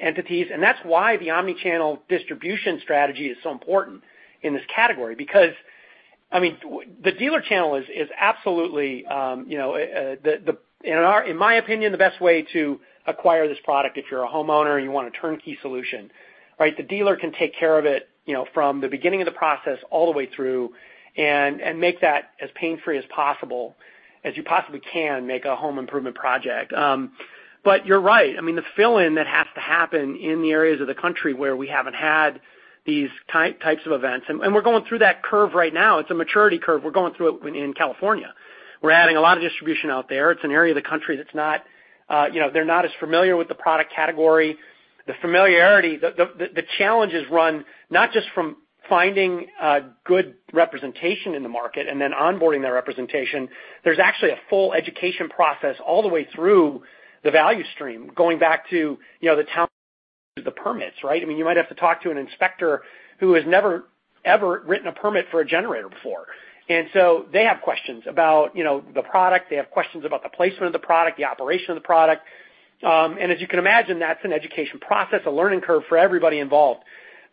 entities. That's why the omni-channel distribution strategy is so important in this category because the dealer channel is absolutely, in my opinion, the best way to acquire this product if you're a homeowner and you want a turnkey solution, right? The dealer can take care of it from the beginning of the process all the way through and make that as pain-free as you possibly can, make a home improvement project. You're right. The fill-in that has to happen in the areas of the country where we haven't had these types of events, and we're going through that curve right now. It's a maturity curve. We're going through it in California. We're adding a lot of distribution out there. It's an area of the country that's not as familiar with the product category. The challenge is run not just from finding good representation in the market and then onboarding that representation. There's actually a full education process all the way through the value stream, going back to the town permits, right? You might have to talk to an inspector who has never, ever written a permit for a generator before. They have questions about the product. They have questions about the placement of the product, the operation of the product. As you can imagine, that's an education process, a learning curve for everybody involved.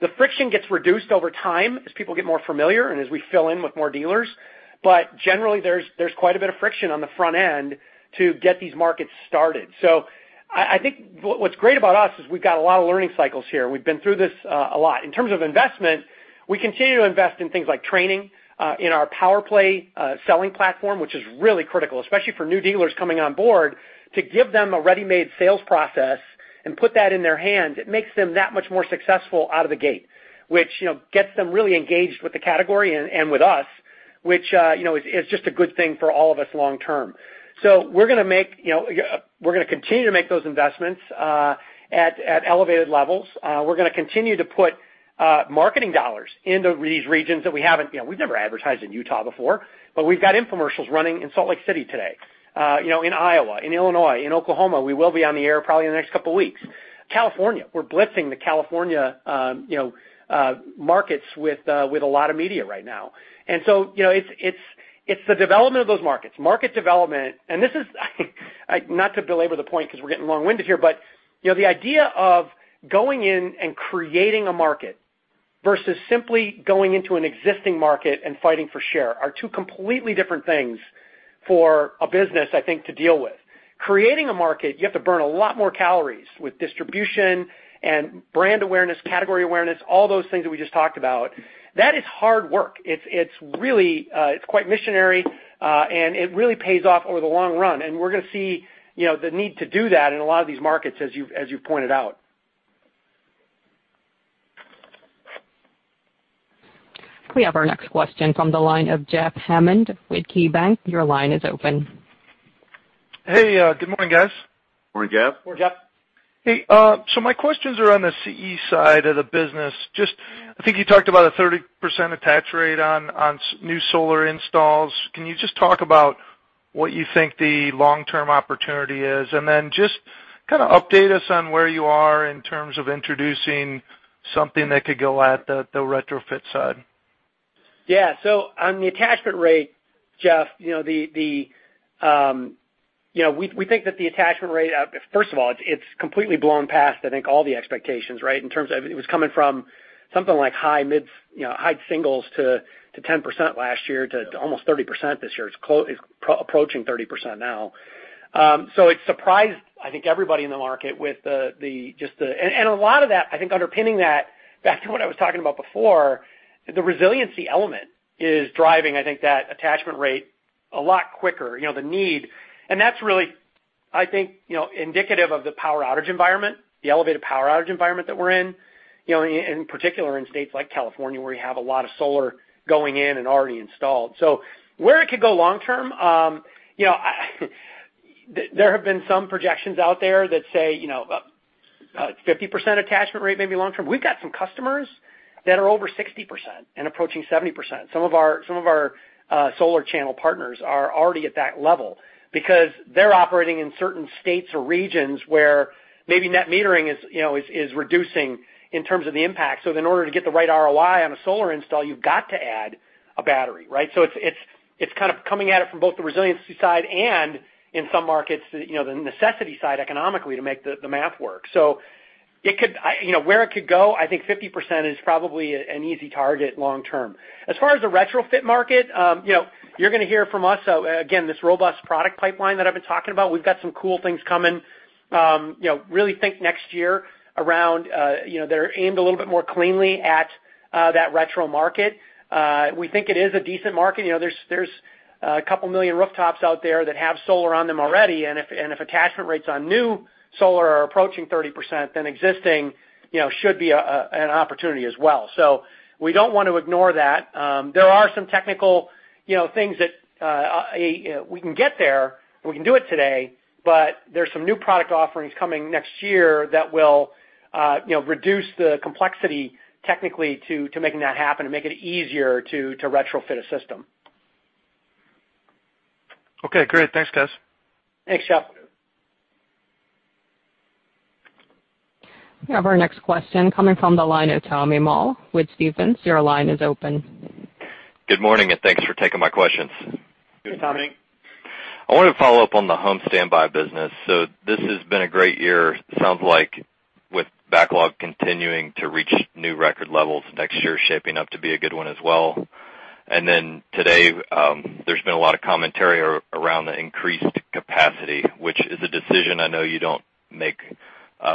The friction gets reduced over time as people get more familiar and as we fill in with more dealers. Generally, there's quite a bit of friction on the front end to get these markets started. I think what's great about us is we've got a lot of learning cycles here. We've been through this a lot. In terms of investment, we continue to invest in things like training in our PowerPlay selling platform, which is really critical, especially for new dealers coming on board to give them a ready-made sales process and put that in their hand. It makes them that much more successful out of the gate, which gets them really engaged with the category and with us, which is just a good thing for all of us long term. We're going to continue to make those investments at elevated levels. We're going to continue to put marketing dollars into these regions that we've never advertised in Utah before. We've got infomercials running in Salt Lake City today. In Iowa, in Illinois, in Oklahoma, we will be on the air probably in the next couple of weeks. California, we're blitzing the California markets with a lot of media right now. It's the development of those markets, market development. This is not to belabor the point because we're getting long-winded here, but the idea of going in and creating a market versus simply going into an existing market and fighting for share are two completely different things for a business, I think, to deal with. Creating a market, you have to burn a lot more calories with distribution and brand awareness, category awareness, all those things that we just talked about. That is hard work. It's quite missionary, and it really pays off over the long run. We're going to see the need to do that in a lot of these markets, as you've pointed out. We have our next question from the line of Jeff Hammond with KeyBanc. Your line is open. Hey, good morning, guys. Morning, Jeff. Morning, Jeff. Hey, my questions are on the CE side of the business. Just I think you talked about a 30% attach rate on new solar installs. Can you just talk about what you think the long-term opportunity is? Just update us on where you are in terms of introducing something that could go at the retrofit side. On the attachment rate, Jeff, we think that the attachment rate-- First of all, it's completely blown past, I think, all the expectations, right? In terms of it was coming from something like high singles to 10% last year to almost 30% this year. It's approaching 30% now. It surprised, I think, everybody in the market with just the-- A lot of that, I think underpinning that, back to what I was talking about before, the resiliency element is driving, I think, that attachment rate a lot quicker, the need. That's really, I think, indicative of the power outage environment, the elevated power outage environment that we're in particular in states like California, where you have a lot of solar going in and already installed. Where it could go long term, there have been some projections out there that say 50% attachment rate, maybe long term. We've got some customers that are over 60% and approaching 70%. Some of our solar channel partners are already at that level because they're operating in certain states or regions where maybe net metering is reducing in terms of the impact. Then in order to get the right ROI on a solar install, you've got to add a battery, right? It's kind of coming at it from both the resiliency side and in some markets, the necessity side economically to make the math work. Where it could go, I think 50% is probably an easy target long term. As far as the retrofit market, you're going to hear from us, again, this robust product pipeline that I've been talking about. We've got some cool things coming really think next year around that are aimed a little bit more cleanly at that retro market. We think it is a decent market. There's a couple million rooftops out there that have solar on them already. If attachment rates on new solar are approaching 30%, then existing should be an opportunity as well. We don't want to ignore that. There are some technical things that we can get there, we can do it today, but there's some new product offerings coming next year that will reduce the complexity technically to making that happen, to make it easier to retrofit a system. Okay, great. Thanks, Guys. Thanks, Jeff. We have our next question coming from the line of Tommy Moll with Stephens. Your line is open. Good morning. Thanks for taking my questions. Good morning. I want to follow up on the home standby business. This has been a great year it sounds like, with backlog continuing to reach new record levels next year shaping up to be a good one as well. Today, there's been a lot of commentary around the increased capacity, which is a decision I know you don't make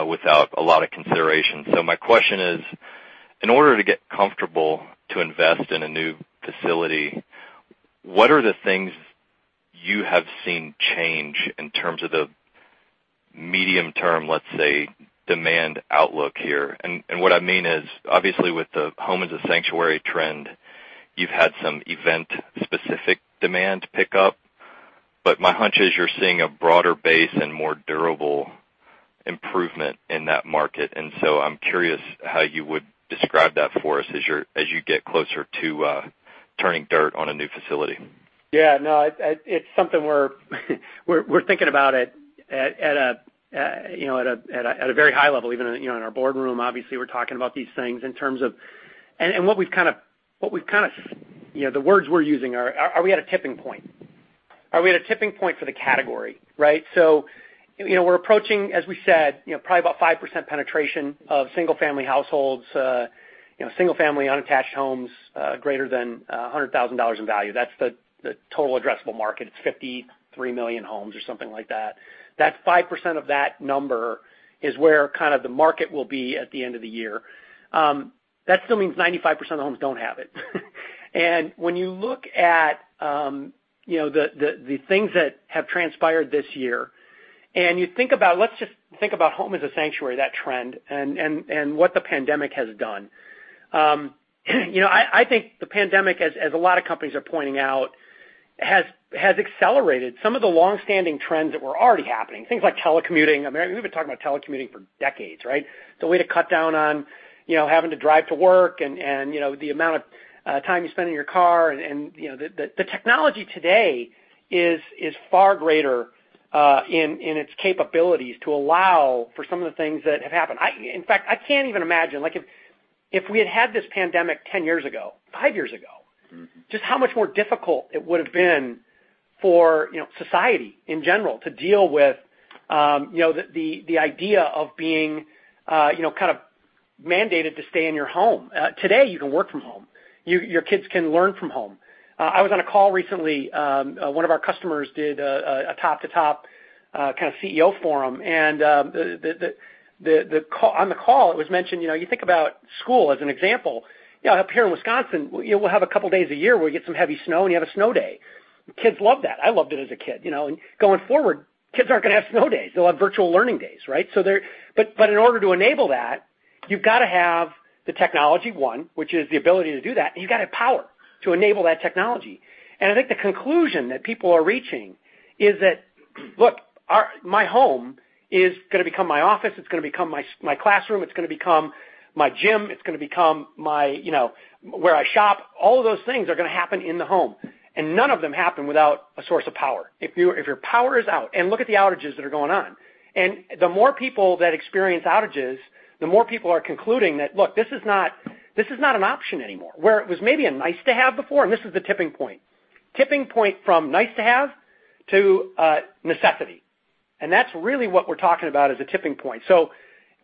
without a lot of consideration. My question is, in order to get comfortable to invest in a new facility, what are the things you have seen change in terms of the medium term, let's say, demand outlook here? What I mean is, obviously, with the home as a sanctuary trend, you've had some event-specific demand pick up. My hunch is you're seeing a broader base and more durable improvement in that market. I'm curious how you would describe that for us as you get closer to turning dirt on a new facility. It's something we're thinking about it at a very high level, even in our boardroom, obviously, we're talking about these things in terms of the words we're using are we at a tipping point? Are we at a tipping point for the category, right? We're approaching, as we said, probably about 5% penetration of single-family households, single-family unattached homes greater than $100,000 in value. That's the total addressable market. It's 53 million homes or something like that. That 5% of that number is where kind of the market will be at the end of the year. That still means 95% of homes don't have it. When you look at the things that have transpired this year, and let's just think about home as a sanctuary, that trend, and what the pandemic has done. I think the pandemic, as a lot of companies are pointing out, has accelerated some of the longstanding trends that were already happening, things like telecommuting. We've been talking about telecommuting for decades, right? It's a way to cut down on having to drive to work and the amount of time you spend in your car. The technology today is far greater in its capabilities to allow for some of the things that have happened. In fact, I can't even imagine if we had had this pandemic 10 years ago, five years ago. just how much more difficult it would have been for society in general to deal with the idea of being kind of mandated to stay in your home. Today, you can work from home. Your kids can learn from home. I was on a call recently. One of our customers did a top-to-top kind of CEO forum, and on the call, it was mentioned, you think about school as an example. Up here in Wisconsin, we'll have a couple of days a year where we get some heavy snow, and you have a snow day. Kids love that. I loved it as a kid. Kids aren't going to have snow days. They'll have virtual learning days, right? In order to enable that, you've got to have the technology, one, which is the ability to do that, and you've got to have power to enable that technology. I think the conclusion that people are reaching is that, look, my home is going to become my office, it's going to become my classroom, it's going to become my gym, it's going to become where I shop. All of those things are going to happen in the home, and none of them happen without a source of power. If your power is out, and look at the outages that are going on, and the more people that experience outages, the more people are concluding that, look, this is not an option anymore. Where it was maybe a nice-to-have before, and this is the tipping point. Tipping point from nice to have to necessity, and that's really what we're talking about is a tipping point.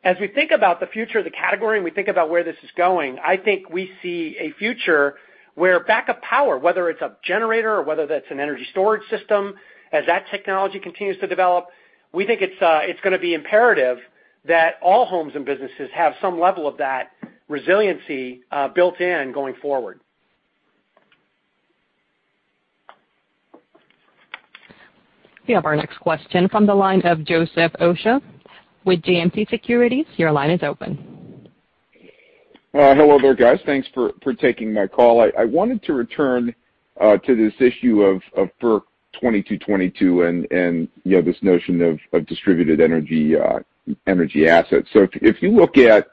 As we think about the future of the category, and we think about where this is going, I think we see a future where backup power, whether it's a generator or whether that's an energy storage system, as that technology continues to develop, we think it's going to be imperative that all homes and businesses have some level of that resiliency built in going forward. We have our next question from the line of Joseph Osha with JMP Securities. Your line is open. Hello there, guys. Thanks for taking my call. I wanted to return to this issue of 2020 to 2022, this notion of distributed energy assets. If you look at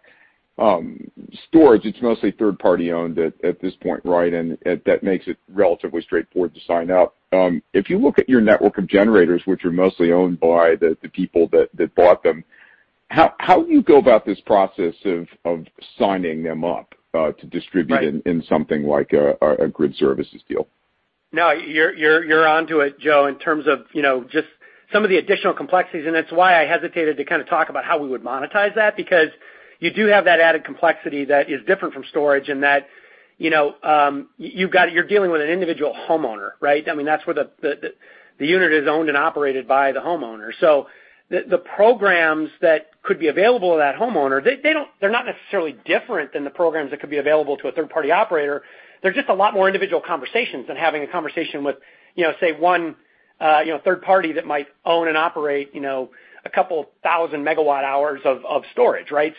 storage, it's mostly third-party owned at this point, right? That makes it relatively straightforward to sign up. If you look at your network of generators, which are mostly owned by the people that bought them, how do you go about this process of signing them up to distribute- Right in something like a grid services deal? You're onto it, Joe, in terms of just some of the additional complexities, and that's why I hesitated to talk about how we would monetize that, because you do have that added complexity that is different from storage in that you're dealing with an individual homeowner, right? That's where the unit is owned and operated by the homeowner. The programs that could be available to that homeowner, they're not necessarily different than the programs that could be available to a third-party operator. They're just a lot more individual conversations than having a conversation with, say, one third party that might own and operate a couple thousand megawatt hours of storage, right?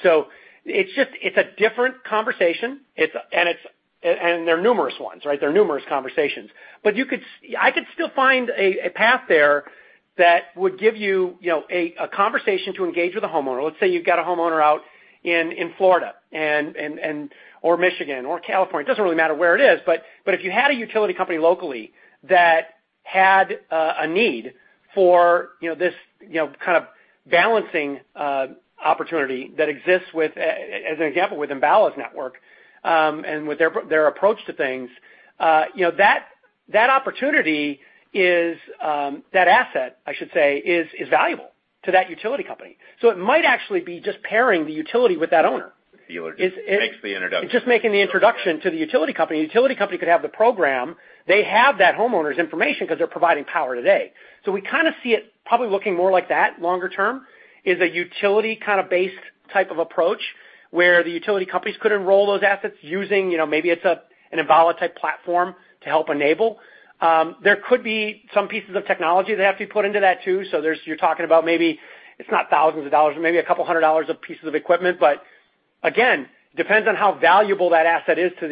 It's a different conversation, and there are numerous ones, right? There are numerous conversations. I could still find a path there that would give you a conversation to engage with a homeowner. Let's say you've got a homeowner out in Florida and, or Michigan, or California. It doesn't really matter where it is. If you had a utility company locally that had a need for this kind of balancing opportunity that exists with, as an example, with Enbala's network, and with their approach to things. That asset, I should say, is valuable to that utility company. It might actually be just pairing the utility with that owner. The dealer just makes the introduction. It's just making the introduction to the utility company. The utility company could have the program. They have that homeowner's information because they're providing power today. We kind of see it probably looking more like that longer term, is a utility kind of based type of approach, where the utility companies could enroll those assets using, maybe it's an Enbala type platform to help enable. There could be some pieces of technology that have to be put into that too. You're talking about maybe, it's not thousands of dollars, but maybe a couple hundred dollars of pieces of equipment. Again, depends on how valuable that asset is to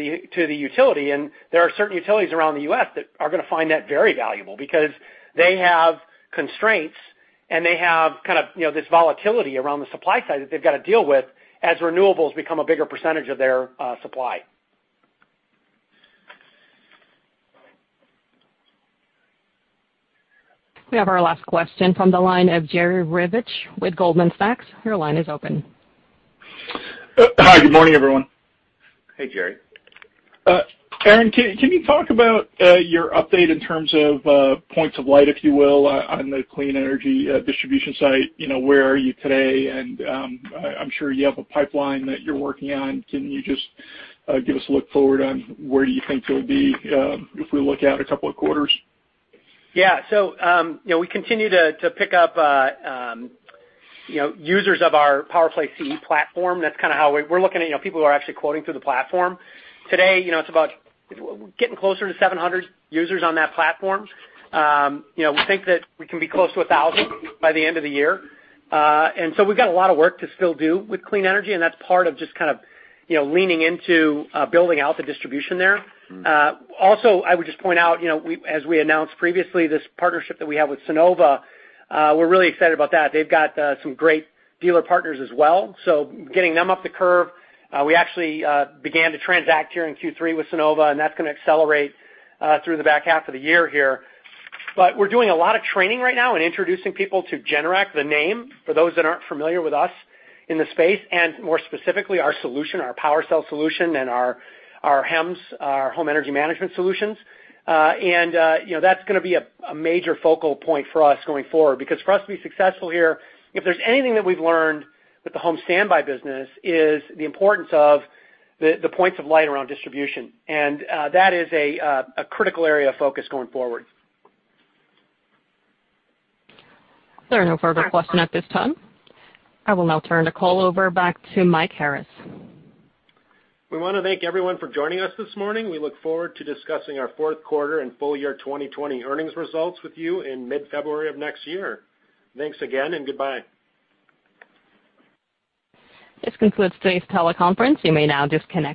the utility, and there are certain utilities around the U.S. that are going to find that very valuable because they have constraints, and they have this volatility around the supply side that they've got to deal with as renewables become a bigger percentage of their supply. We have our last question from the line of Jerry Revich with Goldman Sachs. Hi, good morning, everyone. Hey, Jerry. Aaron, can you talk about your update in terms of points of light, if you will, on the clean energy distribution side? Where are you today? I'm sure you have a pipeline that you're working on. Can you just give us a look forward on where you think you'll be if we look out a couple of quarters? Yeah. We continue to pick up users of our PowerPlay CE platform. That's how we're looking at people who are actually quoting through the platform. Today, it's about getting closer to 700 users on that platform. We think that we can be close to 1,000 by the end of the year. We've got a lot of work to still do with clean energy, and that's part of just leaning into building out the distribution there. I would just point out, as we announced previously, this partnership that we have with Sunnova, we're really excited about that. They've got some great dealer partners as well, getting them up the curve. We actually began to transact here in Q3 with Sunnova, that's going to accelerate through the back half of the year here. We're doing a lot of training right now and introducing people to Generac, the name, for those that aren't familiar with us in the space, and more specifically, our solution, our PWRcell solution and our HEMS, our home energy management solutions. That's going to be a major focal point for us going forward because for us to be successful here, if there's anything that we've learned with the home standby business, is the importance of the points of light around distribution. That is a critical area of focus going forward. There are no further questions at this time. I will now turn the call over back to Mike Harris. We want to thank everyone for joining us this morning. We look forward to discussing our fourth quarter and full year 2020 earnings results with you in mid-February of next year. Thanks again, and goodbye. This concludes today's teleconference. You may now disconnect your.